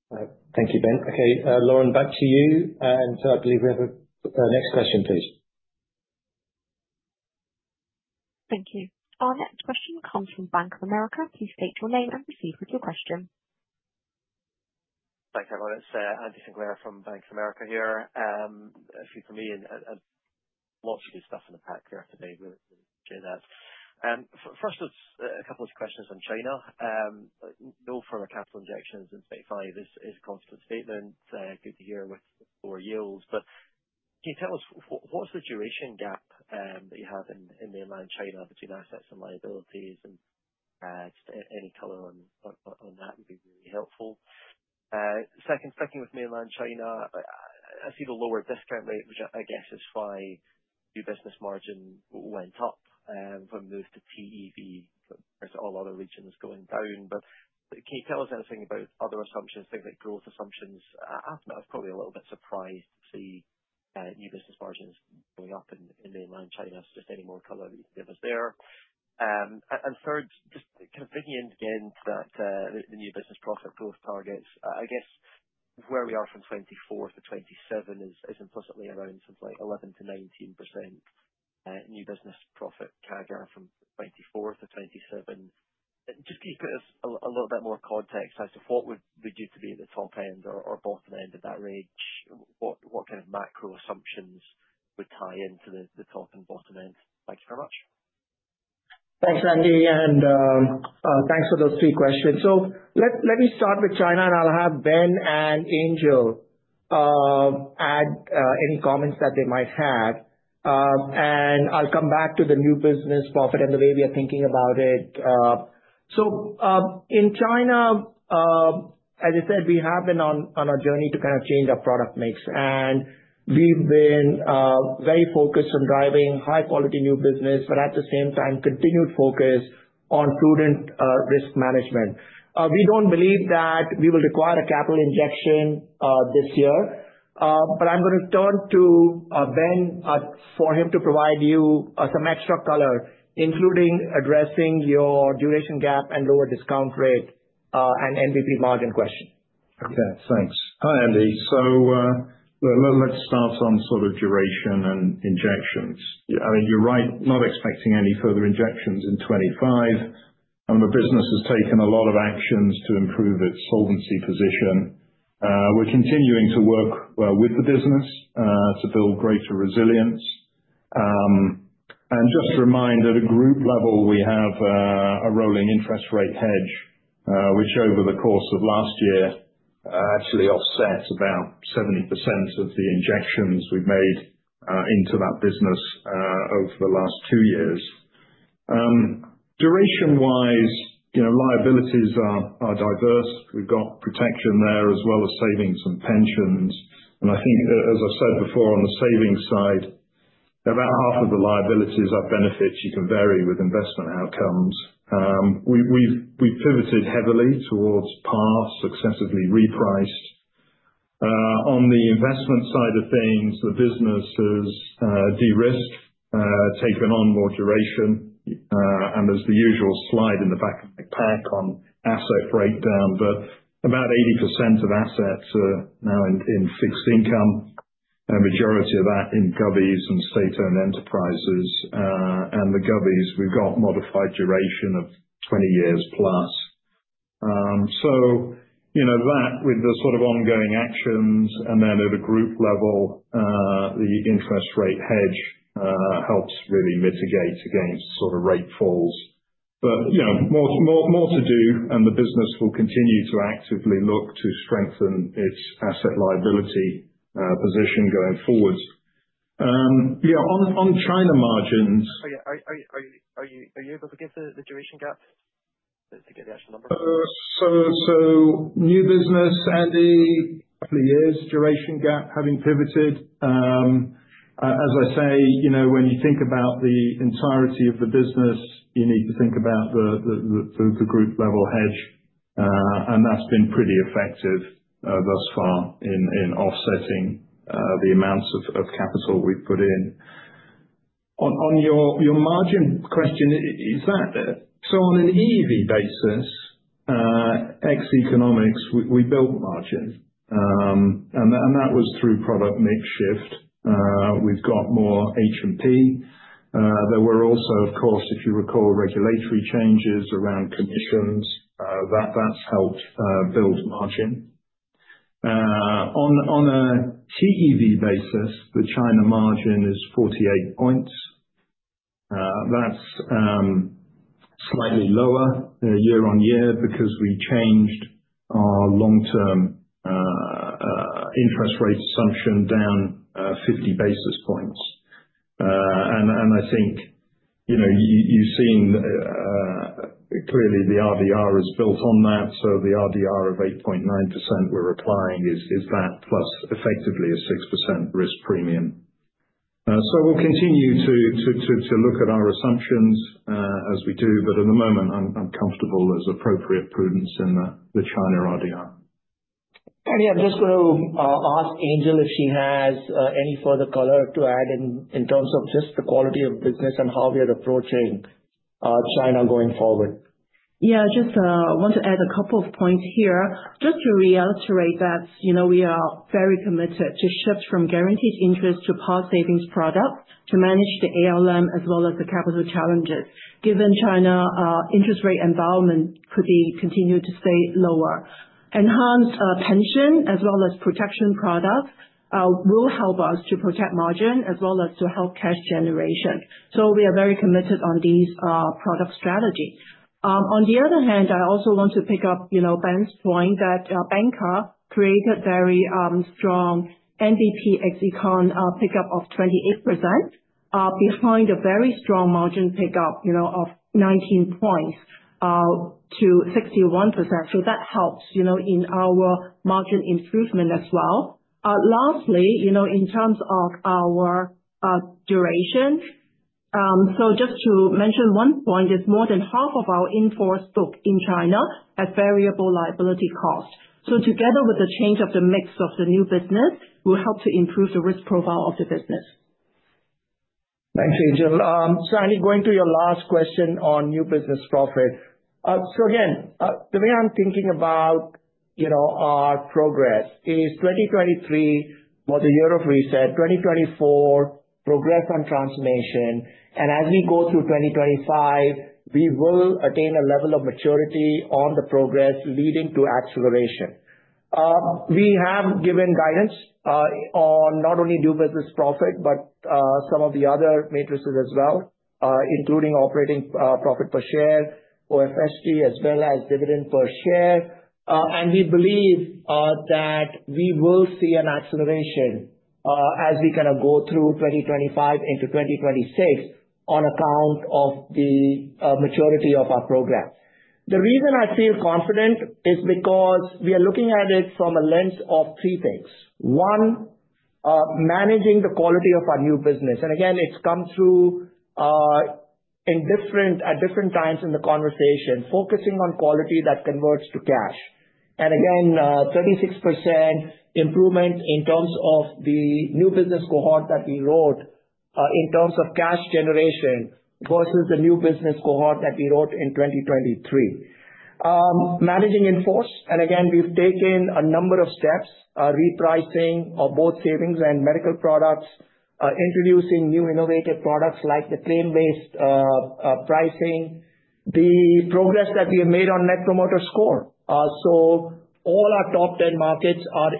Speaker 1: Thank you, Ben. Okay. Lauren, back to you. I believe we have a next question, please.
Speaker 4: Thank you. Our next question comes from Bank of America. Please state your name and proceed with your question.
Speaker 12: Thanks, everyone. It's Andrew Sinclair from Bank of America here. A few from me. Lots of good stuff in the pack there today. Really appreciate that. First, a couple of questions on China. No further capital injections in 2025 is a confident statement. Good to hear with lower yields. Can you tell us what's the duration gap that you have in mainland China between assets and liabilities? Any color on that would be really helpful. Second, sticking with mainland China, I see the lower discount rate, which I guess is why new business margin went up from those to TEV compared to all other regions going down. Can you tell us anything about other assumptions, things like growth assumptions? I've probably been a little bit surprised to see new business margins going up in mainland China. Just any more color that you can give us there. Third, just kind of digging in again to the new business profit growth targets, I guess where we are from 2024 to 2027 is implicitly around something like 11%-19% new business profit CAGR from 2024 to 2027. Just can you put us a little bit more context as to what would you do to be at the top end or bottom end of that range? What kind of macro assumptions would tie into the top and bottom end? Thank you very much.
Speaker 2: Thanks, Andy. Thanks for those three questions. Let me start with China, and I'll have Ben and Angel add any comments that they might have. I'll come back to the new business profit and the way we are thinking about it. In China, as I said, we have been on our journey to kind of change our product mix. We've been very focused on driving high-quality new business, but at the same time, continued focus on prudent risk management. We don't believe that we will require a capital injection this year. I'm going to turn to Ben for him to provide you some extra color, including addressing your duration gap and lower discount rate and NBP margin question.
Speaker 3: Okay. Thanks. Hi, Andy. Let's start on sort of duration and injections. I mean, you're right, not expecting any further injections in 2025. I mean, the business has taken a lot of actions to improve its solvency position. We're continuing to work with the business to build greater resilience. Just to remind, at a group level, we have a rolling interest rate hedge, which over the course of last year actually offsets about 70% of the injections we've made into that business over the last two years. Duration-wise, liabilities are diverse. We've got protection there as well as savings and pensions. I think, as I've said before, on the savings side, about half of the liabilities are benefits you can vary with investment outcomes. We've pivoted heavily towards past, successively repriced. On the investment side of things, the business has de-risked, taken on more duration. There is the usual slide in the back of my pack on asset breakdown. About 80% of assets are now in fixed income, a majority of that in Gobis and state-owned enterprises. In the Gobis, we have modified duration of 20 years plus. That, with the sort of ongoing actions, and then at a group level, the interest rate hedge helps really mitigate against rate falls. There is more to do, and the business will continue to actively look to strengthen its asset liability position going forwards. On China margins.
Speaker 12: Are you able to give the duration gap to get the actual number?
Speaker 3: New business, Andy, a couple of years duration gap having pivoted. As I say, when you think about the entirety of the business, you need to think about the group level hedge. That has been pretty effective thus far in offsetting the amounts of capital we have put in. On your margin question, on an EV basis, ex-economics, we built margin. That was through product mix shift. We have got more HMP. There were also, of course, if you recall, regulatory changes around commissions. That has helped build margin. On a TEV basis, the China margin is 48 points. That is slightly lower year on year because we changed our long-term interest rate assumption down 50 basis points. I think you have seen clearly the RDR is built on that. The RDR of 8.9% we are applying is that plus effectively a 6% risk premium. We'll continue to look at our assumptions as we do. At the moment, I'm comfortable there's appropriate prudence in the China RDR.
Speaker 2: Andy, I'm just going to ask Angel if she has any further color to add in terms of just the quality of business and how we are approaching China going forward.
Speaker 13: Yeah, just want to add a couple of points here. Just to reiterate that we are very committed to shift from guaranteed interest to par savings product to manage the ALM as well as the capital challenges, given China's interest rate environment could continue to stay lower. Enhanced pension as well as protection products will help us to protect margin as well as to help cash generation. We are very committed on this product strategy. On the other hand, I also want to pick up Ben's point that banker created very strong NBP ex-econ pickup of 28% behind a very strong margin pickup of 19 percentage points to 61%. That helps in our margin improvement as well. Lastly, in terms of our duration, just to mention one point, it's more than half of our in-force book in China as variable liability cost. Together with the change of the mix of the new business, we'll help to improve the risk profile of the business.
Speaker 2: Thanks, Angel. Andy, going to your last question on new business profit. Again, the way I'm thinking about our progress is 2023 was a year of reset. 2024, progress on transformation. As we go through 2025, we will attain a level of maturity on the progress leading to acceleration. We have given guidance on not only new business profit, but some of the other matrices as well, including operating profit per share, OFSG, as well as dividend per share. We believe that we will see an acceleration as we kind of go through 2025 into 2026 on account of the maturity of our program. The reason I feel confident is because we are looking at it from a lens of three things. One, managing the quality of our new business. It has come through at different times in the conversation, focusing on quality that converts to cash. There was a 36% improvement in terms of the new business cohort that we wrote in terms of cash generation versus the new business cohort that we wrote in 2023. Managing in-force, we have taken a number of steps, repricing of both savings and medical products, introducing new innovative products like the claim-based pricing, the progress that we have made on Net Promoter Score. All our top 10 markets are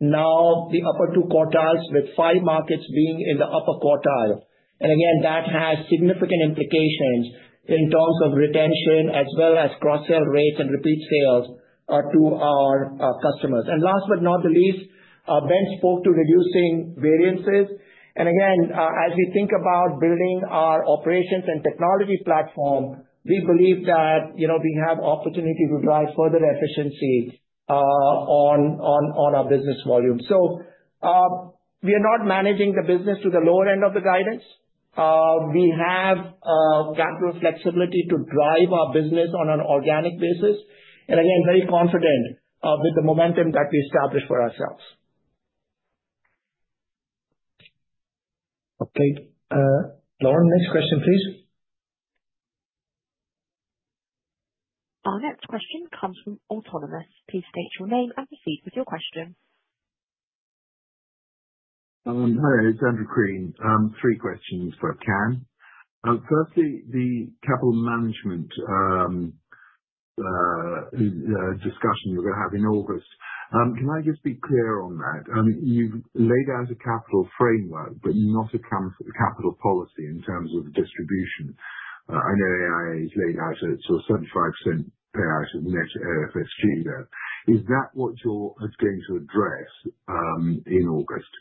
Speaker 2: now in the upper two quartiles with five markets being in the upper quartile. That has significant implications in terms of retention as well as cross-sale rates and repeat sales to our customers. Last but not least, Ben spoke to reducing variances. As we think about building our operations and technology platform, we believe that we have opportunity to drive further efficiency on our business volume. We are not managing the business to the lower end of the guidance. We have capital flexibility to drive our business on an organic basis. We are very confident with the momentum that we established for ourselves. Okay. Lauren, next question, please.
Speaker 4: Our next question comes from Autonomous. Please state your name and proceed with your question.
Speaker 14: Hi, it's Andrew Crean. Three questions for Can. Firstly, the capital management discussion you're going to have in August. Can I just be clear on that? You've laid out a capital framework, but not a capital policy in terms of the distribution. I know AIA has laid out a sort of 75% payout of net FSG there. Is that what you're going to address in August?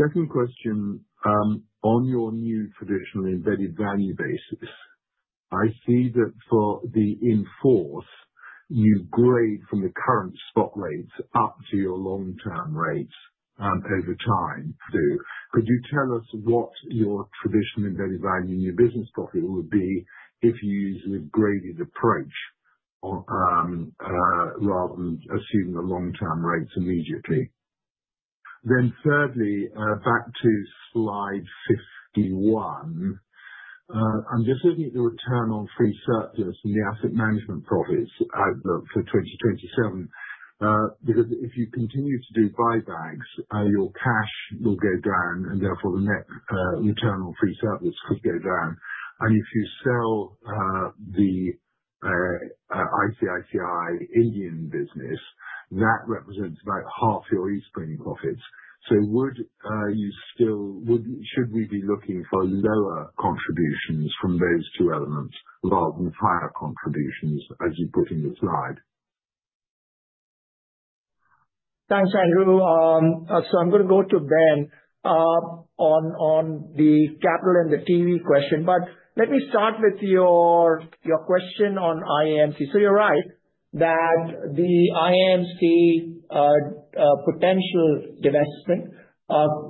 Speaker 14: Second question, on your new traditional embedded value basis, I see that for the in-force, you grade from the current spot rates up to your long-term rates over time. But for your new business profits, you actually assume the long-term rate immediately, something I think AIA doesn't do. Could you tell us what your traditional embedded value new business profit would be if you use the graded approach rather than assume the long-term rates immediately? Then thirdly, back to slide 51. I'm just looking at the return on free surplus and the asset management profits for 2027. Because if you continue to do buybacks, your cash will go down, and therefore the net return on free surplus could go down. If you sell the ICICI Indian business, that represents about half your EastSpring profits. Should we be looking for lower contributions from those two elements rather than higher contributions as you put in the slide?
Speaker 2: Thanks, Andrew. I'm going to go to Ben on the capital and the TEV question. Let me start with your question on IAMC. You're right that the IAMC potential divestment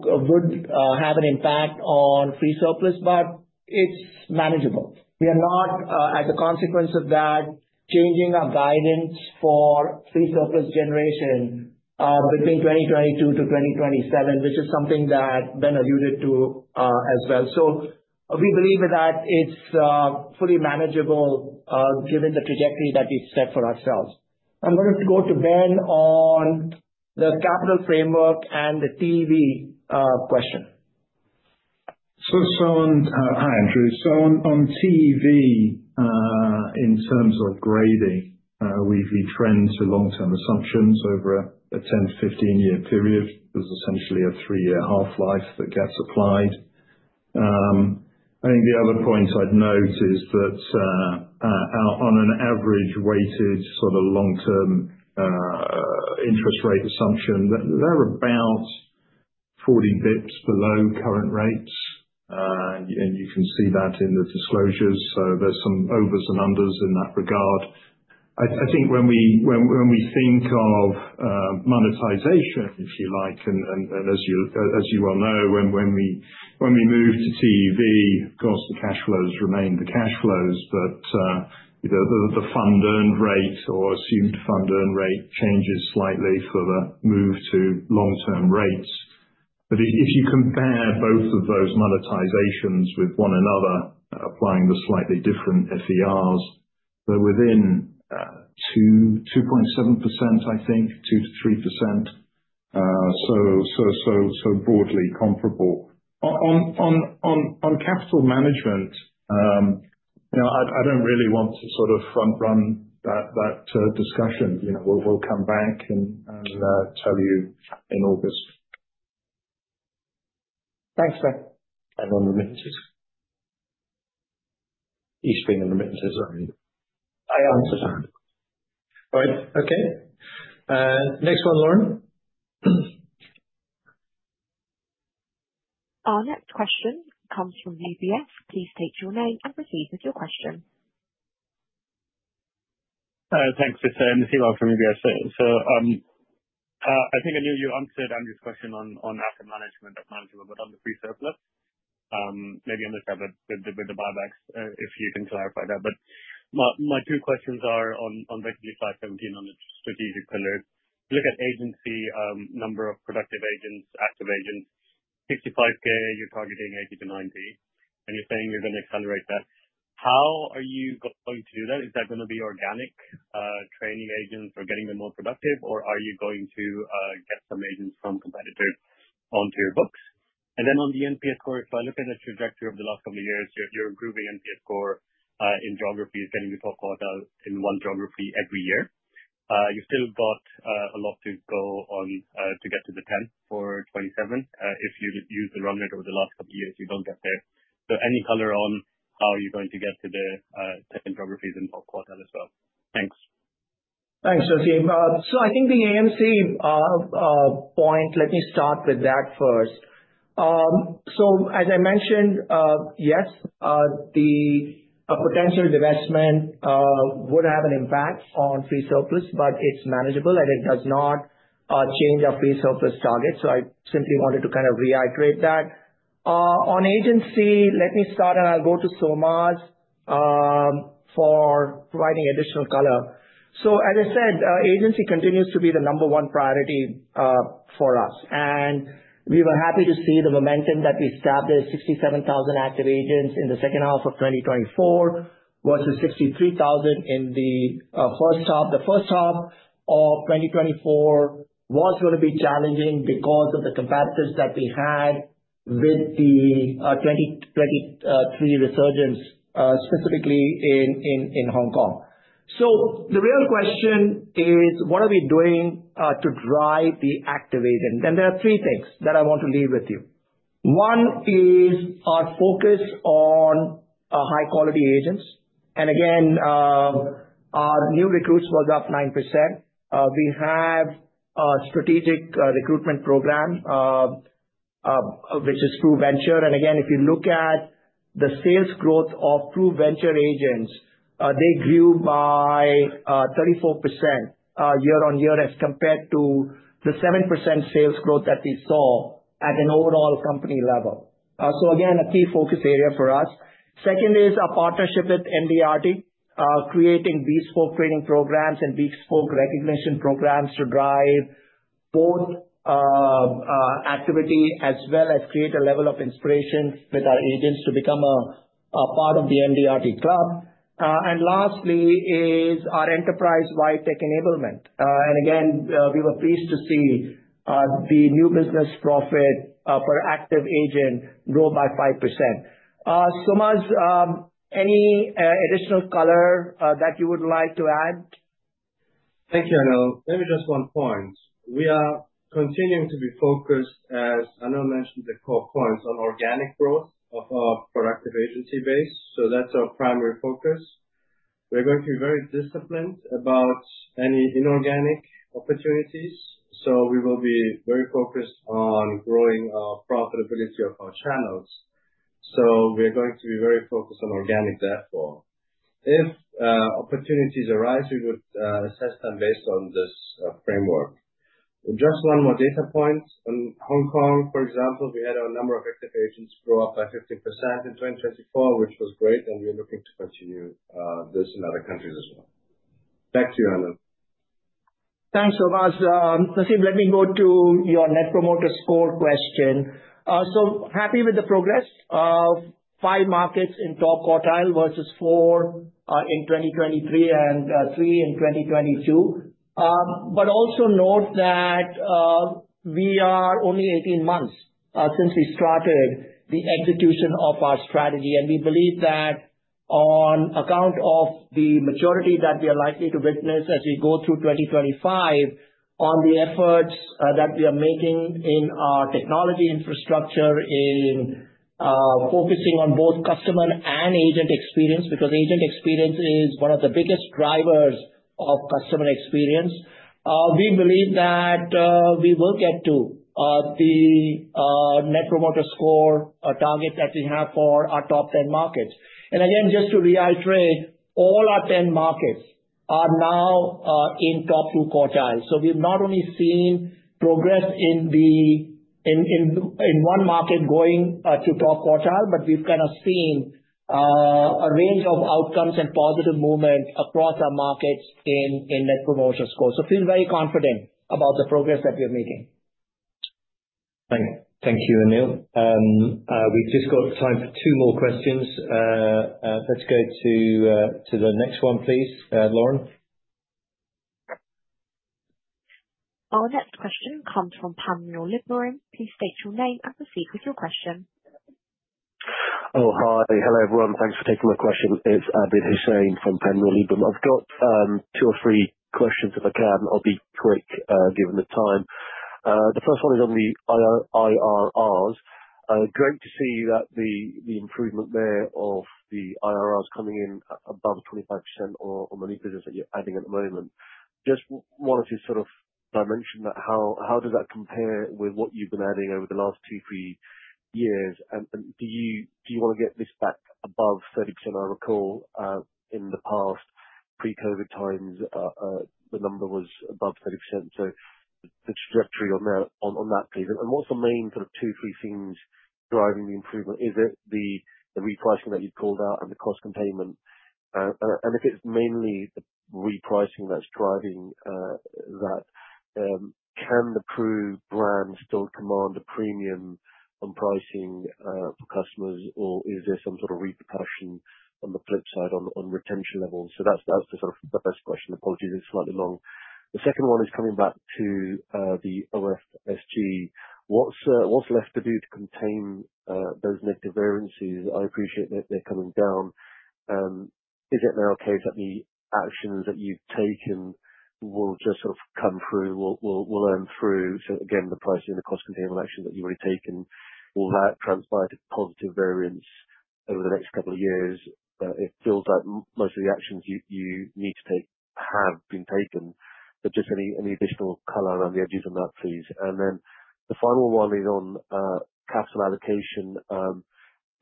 Speaker 2: would have an impact on free surplus, but it's manageable. We are not, as a consequence of that, changing our guidance for free surplus generation between 2022-2027, which is something that Ben alluded to as well. We believe that it's fully manageable given the trajectory that we've set for ourselves. I'm going to go to Ben on the capital framework and the TEV question.
Speaker 3: Hi, Andrew. On TEV, in terms of grading, we trend to long-term assumptions over a 10 year-15 year period. There is essentially a three-year half-life that gets applied. I think the other point I'd note is that on an average weighted sort of long-term interest rate assumption, they are about 40 basis points below current rates. You can see that in the disclosures. There are some overs and unders in that regard. I think when we think of monetization, if you like, and as you well know, when we move to TEV, of course, the cash flows remain the cash flows, but the fund earned rate or assumed fund earned rate changes slightly for the move to long-term rates. If you compare both of those monetizations with one another, applying the slightly different FERs, they are within 2.7%, I think, 2%-3%. So broadly comparable. On capital management, I don't really want to sort of front-run that discussion. We'll come back and tell you in August.
Speaker 2: Thanks, Ben.
Speaker 3: On remittances. EastSpring and remittances.
Speaker 2: I answered that.
Speaker 3: All right. Okay. Next one, Lauren.
Speaker 4: Our next question comes from UBS. Please state your name and proceed with your question.
Speaker 15: Thanks, Nitya Lyer from UBS. I think I knew you answered Andrew's question on asset management as manageable, but on the free surplus, maybe on the buybacks, if you can clarify that. My two questions are on basically slide 17 on the strategic pillars. You look at agency, number of productive agents, active agents, 65,000, you're targeting 80,000-90,000, and you're saying you're going to accelerate that. How are you going to do that? Is that going to be organic training agents or getting them more productive, or are you going to get some agents from competitors onto your books? On the NPS score, if I look at the trajectory over the last couple of years, you're improving NPS score in geographies, tting your top quartile in one geography every year. You've still got a lot to go on to get to the 10 for 2027. If you use the run rate over the last couple of years, you don't get there. Any color on how you're going to get to the 10 geographies in top quartile as well. Thanks.
Speaker 2: Thanks, Nitya. I think the AMC point, let me start with that first. As I mentioned, yes, the potential divestment would have an impact on free surplus, but it is manageable, and it does not change our free surplus target. I simply wanted to reiterate that. On agency, let me start, and I'll go to Solmaz for providing additional color. As I said, agency continues to be the number one priority for us. We were happy to see the momentum that we established, 67,000 active agents in the second half of 2024 versus 63,000 in the first half. The first half of 2024 was going to be challenging because of the competitors that we had with the 2023 resurgence, specifically in Hong Kong. The real question is, what are we doing to drive the active agent? There are three things that I want to leave with you. One is our focus on high-quality agents. Again, our new recruits was up 9%. We have a strategic recruitment program, which is ProVenture. Again, if you look at the sales growth of ProVenture agents, they grew by 34% year on year as compared to the 7% sales growth that we saw at an overall company level. A key focus area for us. Second is our partnership with MDRT, creating bespoke training programs and bespoke recognition programs to drive both activity as well as create a level of inspiration with our agents to become a part of the MDRT club. Lastly is our enterprise wide tech enablement. Again, we were pleased to see the new business profit per active agent grow by 5%. Solmaz, any additional color that you would like to add?
Speaker 7: Thank you, Anil. Maybe just one point. We are continuing to be focused, as Anil mentioned, the core points on organic growth of our productive agency base. That is our primary focus. We are going to be very disciplined about any inorganic opportunities. We will be very focused on growing our profitability of our channels. We are going to be very focused on organic therefore. If opportunities arise, we would assess them based on this framework. Just one more data point. In Hong Kong, for example, we had a number of active agents grow up by 15% in 2024, which was great, and we are looking to continue this in other countries as well. Back to you, Anil.
Speaker 2: Thanks, Solmaz., let me go to your Net Promoter Score question. Happy with the progress, five markets in top quartile versus four in 2023 and three in 2022. Also note that we are only 18 months since we started the execution of our strategy. We believe that on account of the maturity that we are likely to witness as we go through 2025, on the efforts that we are making in our technology infrastructure, in focusing on both customer and agent experience, because agent experience is one of the biggest drivers of customer experience, we believe that we will get to the Net Promoter Score target that we have for our top 10 markets. Again, just to reiterate, all our 10 markets are now in top two quartiles. We have not only seen progress in one market going to top quartile, but we have kind of seen a range of outcomes and positive movement across our markets in Net Promoter Score. I feel very confident about the progress that we are making.
Speaker 1: Thank you, Anil. We've just got time for two more questions. Let's go to the next one, please, Lauren.
Speaker 4: Our next question comes from Abid Hussain. Please state your name and proceed with your question.
Speaker 9: Oh, hi. Hello, everyone. Thanks for taking my question. It's Abid Hussain from Panmure Liberum. I've got two or three questions if I can. I'll be quick given the time. The first one is on the IRRs. Great to see that the improvement there of the IRRs coming in above 25% on the new business that you're adding at the moment. Just wanted to sort of dimension that. How does that compare with what you've been adding over the last two, three years? Do you want to get this back above 30%? I recall in the past, pre-COVID times, the number was above 30%. The trajectory on that, please. What's the main sort of two, three things driving the improvement? Is it the repricing that you've called out and the cost containment? If it's mainly the repricing that's driving that, can the Pro brand still command a premium on pricing for customers, or is there some sort of repercussion on the flip side on retention levels? That's the sort of first question. Apologies, it's slightly long. The second one is coming back to the OFSG. What's left to do to contain those negative variances? I appreciate that they're coming down. Is it now a case that the actions that you've taken will just sort of come through, will earn through? The pricing and the cost containment actions that you've already taken, will that transpire to positive variance over the next couple of years? It feels like most of the actions you need to take have been taken. Any additional color around the edges on that, please. The final one is on capital allocation.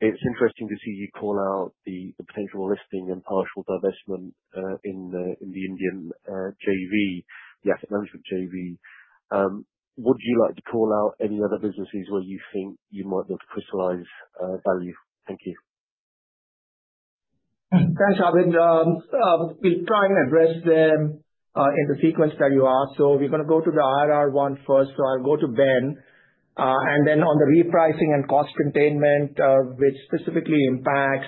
Speaker 9: It's interesting to see you call out the potential listing and partial divestment in the Indian JV, the asset management JV. Would you like to call out any other businesses where you think you might be able to crystallize value? Thank you.
Speaker 2: Thanks, Abid. We'll try and address them in the sequence that you asked. We're going to go to the IRR one first. I'll go to Ben. On the repricing and cost containment, which specifically impacts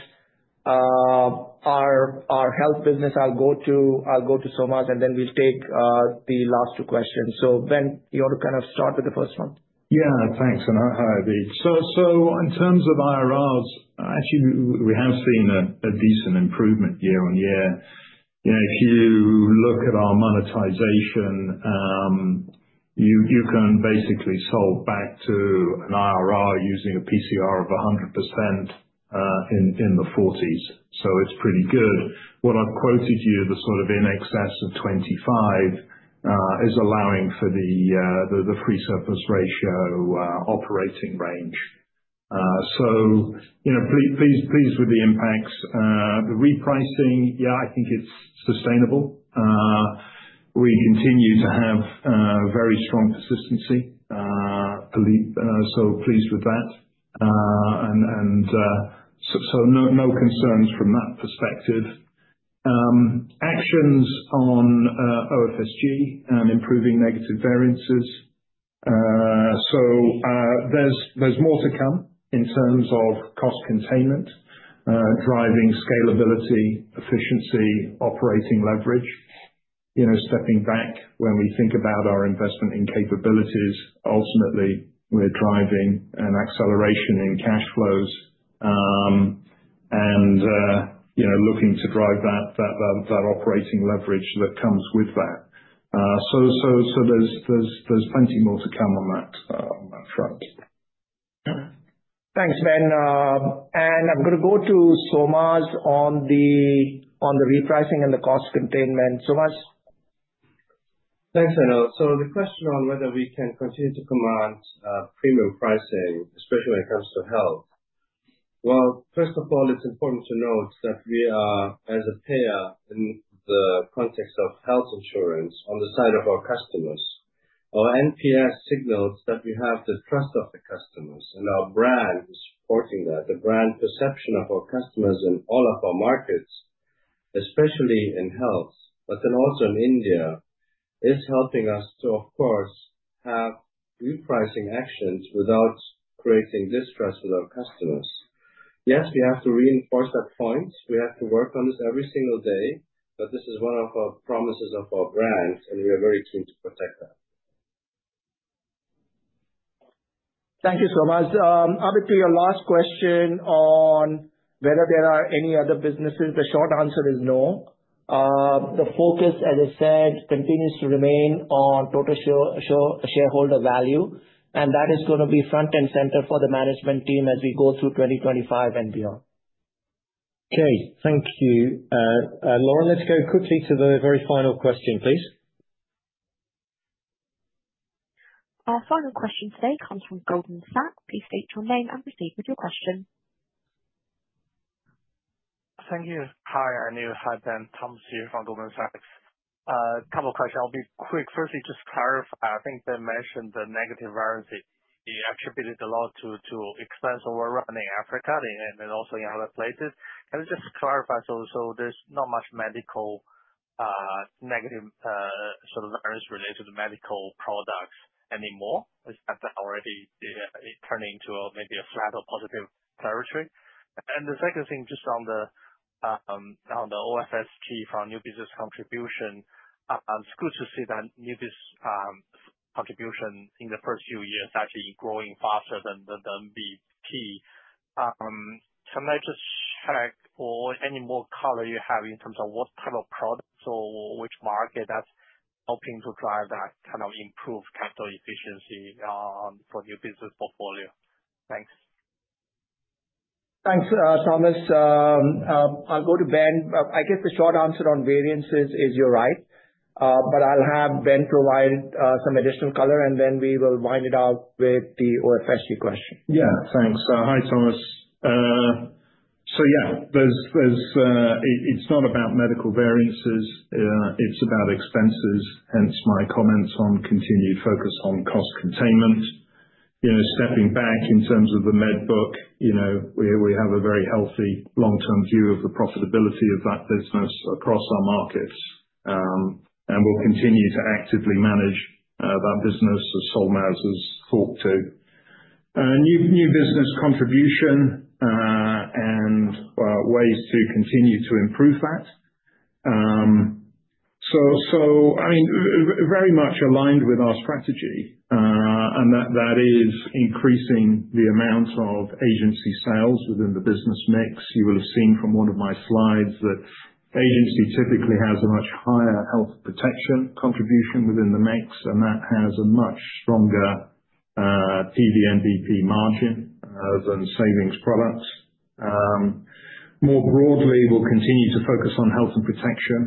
Speaker 2: our health business, I'll go to Solmaz, and then we'll take the last two questions. Ben, you want to kind of start with the first one?
Speaker 3: Yeah, thanks, Abid. In terms of IRRs, actually, we have seen a decent improvement year on year. If you look at our monetization, you can basically salt back to an IRR using a PCR of 100% in the 40s. It's pretty good. What I've quoted you, the sort of in excess of 25%, is allowing for the free surplus ratio operating range. Pleased with the impacts. The repricing, I think it's sustainable. We continue to have very strong persistency. Pleased with that. No concerns from that perspective. Actions on OFSG and improving negative variances. There's more to come in terms of cost containment, driving scalability, efficiency, operating leverage. Stepping back, when we think about our investment in capabilities, ultimately, we're driving an acceleration in cash flows and looking to drive that operating leverage that comes with that. There is plenty more to come on that front.
Speaker 2: Thanks, Ben. I'm going to go to Solmaz on the repricing and the cost containment. Solmaz?
Speaker 7: Thanks, Anil. The question on whether we can continue to command premium pricing, especially when it comes to health, first of all, it's important to note that we are, as a payer in the context of health insurance, on the side of our customers. Our NPS signals that we have the trust of the customers, and our brand is supporting that. The brand perception of our customers in all of our markets, especially in health, but then also in India, is helping us to, of course, have repricing actions without creating distrust with our customers. Yes, we have to reinforce that point. We have to work on this every single day. This is one of our promises of our brand, and we are very keen to protect that.
Speaker 2: Thank you, Solmaz. Abid, to your last question on whether there are any other businesses, the short answer is no. The focus, as I said, continues to remain on total shareholder value. That is going to be front and center for the management team as we go through 2025 and beyond.
Speaker 1: Okay, thank you. Lauren, let's go quickly to the very final question, please.
Speaker 4: Our final question today comes from Goldman Sachs. Please state your name and proceed with your question.
Speaker 16: Thank you. Hi, Anil Wadhwani. Thomas here from Goldman Sachs. A couple of questions. I'll be quick. Firstly, just clarify. I think they mentioned the negative variance. It attributed a lot to expense overrun in Africa and also in other places. Can I just clarify? So there's not much negative sort of variance related to medical products anymore. Is that already turning into maybe a flat or positive territory? The second thing, just on the OFSG for new business contribution, it's good to see that new business contribution in the first few years actually growing faster than NBP. Can I just check or any more color you have in terms of what type of products or which market that's helping to drive that kind of improved capital efficiency for new business portfolio? Thanks.
Speaker 2: Thanks, Thomas. I'll go to Ben. I guess the short answer on variances is you're right. I'll have Ben provide some additional color, and then we will wind it out with the OFSG question.
Speaker 3: Yeah, thanks. Hi, Thomas. Yeah, it's not about medical variances. It's about expenses, hence my comments on continued focus on cost containment. Stepping back in terms of the Medbook, we have a very healthy long-term view of the profitability of that business across our markets. We'll continue to actively manage that business as Solmaz has talked to. New business contribution and ways to continue to improve that. I mean, very much aligned with our strategy. That is increasing the amount of agency sales within the business mix. You will have seen from one of my slides that agency typically has a much higher health protection contribution within the mix, and that has a much stronger PVNBP margin than savings products. More broadly, we'll continue to focus on health and protection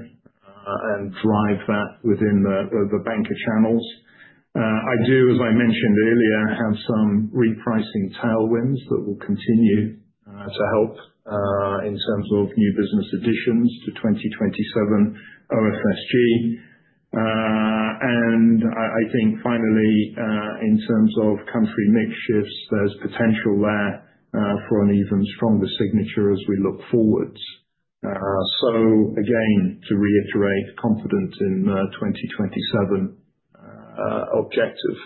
Speaker 3: and drive that within the banker channels. I do, as I mentioned earlier, have some repricing tailwinds that will continue to help in terms of new business additions to 2027 OFSG. I think finally, in terms of country mix shifts, there is potential there for an even stronger signature as we look forwards. Again, to reiterate, confident in 2027 objective.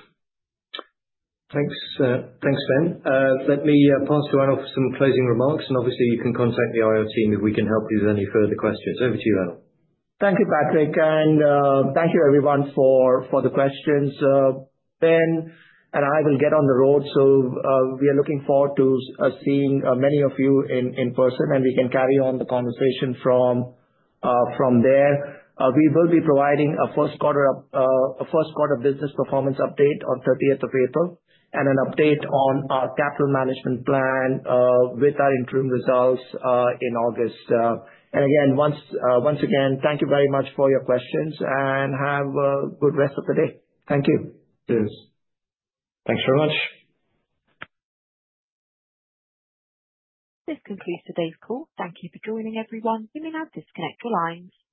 Speaker 1: Thanks, Ben. Let me pass to Anil for some closing remarks. Obviously, you can contact the IR team if we can help you with any further questions. Over to you, Anil.
Speaker 2: Thank you, Patrick. Thank you, everyone, for the questions. Ben and I will get on the road. We are looking forward to seeing many of you in person, and we can carry on the conversation from there. We will be providing a first-quarter business performance update on 30th of April and an update on our capital management plan with our interim results in August. Once again, thank you very much for your questions and have a good rest of the day. Thank you. Cheers.
Speaker 1: Thanks very much.
Speaker 4: This concludes today's call. Thank you for joining, everyone. You may now disconnect your line.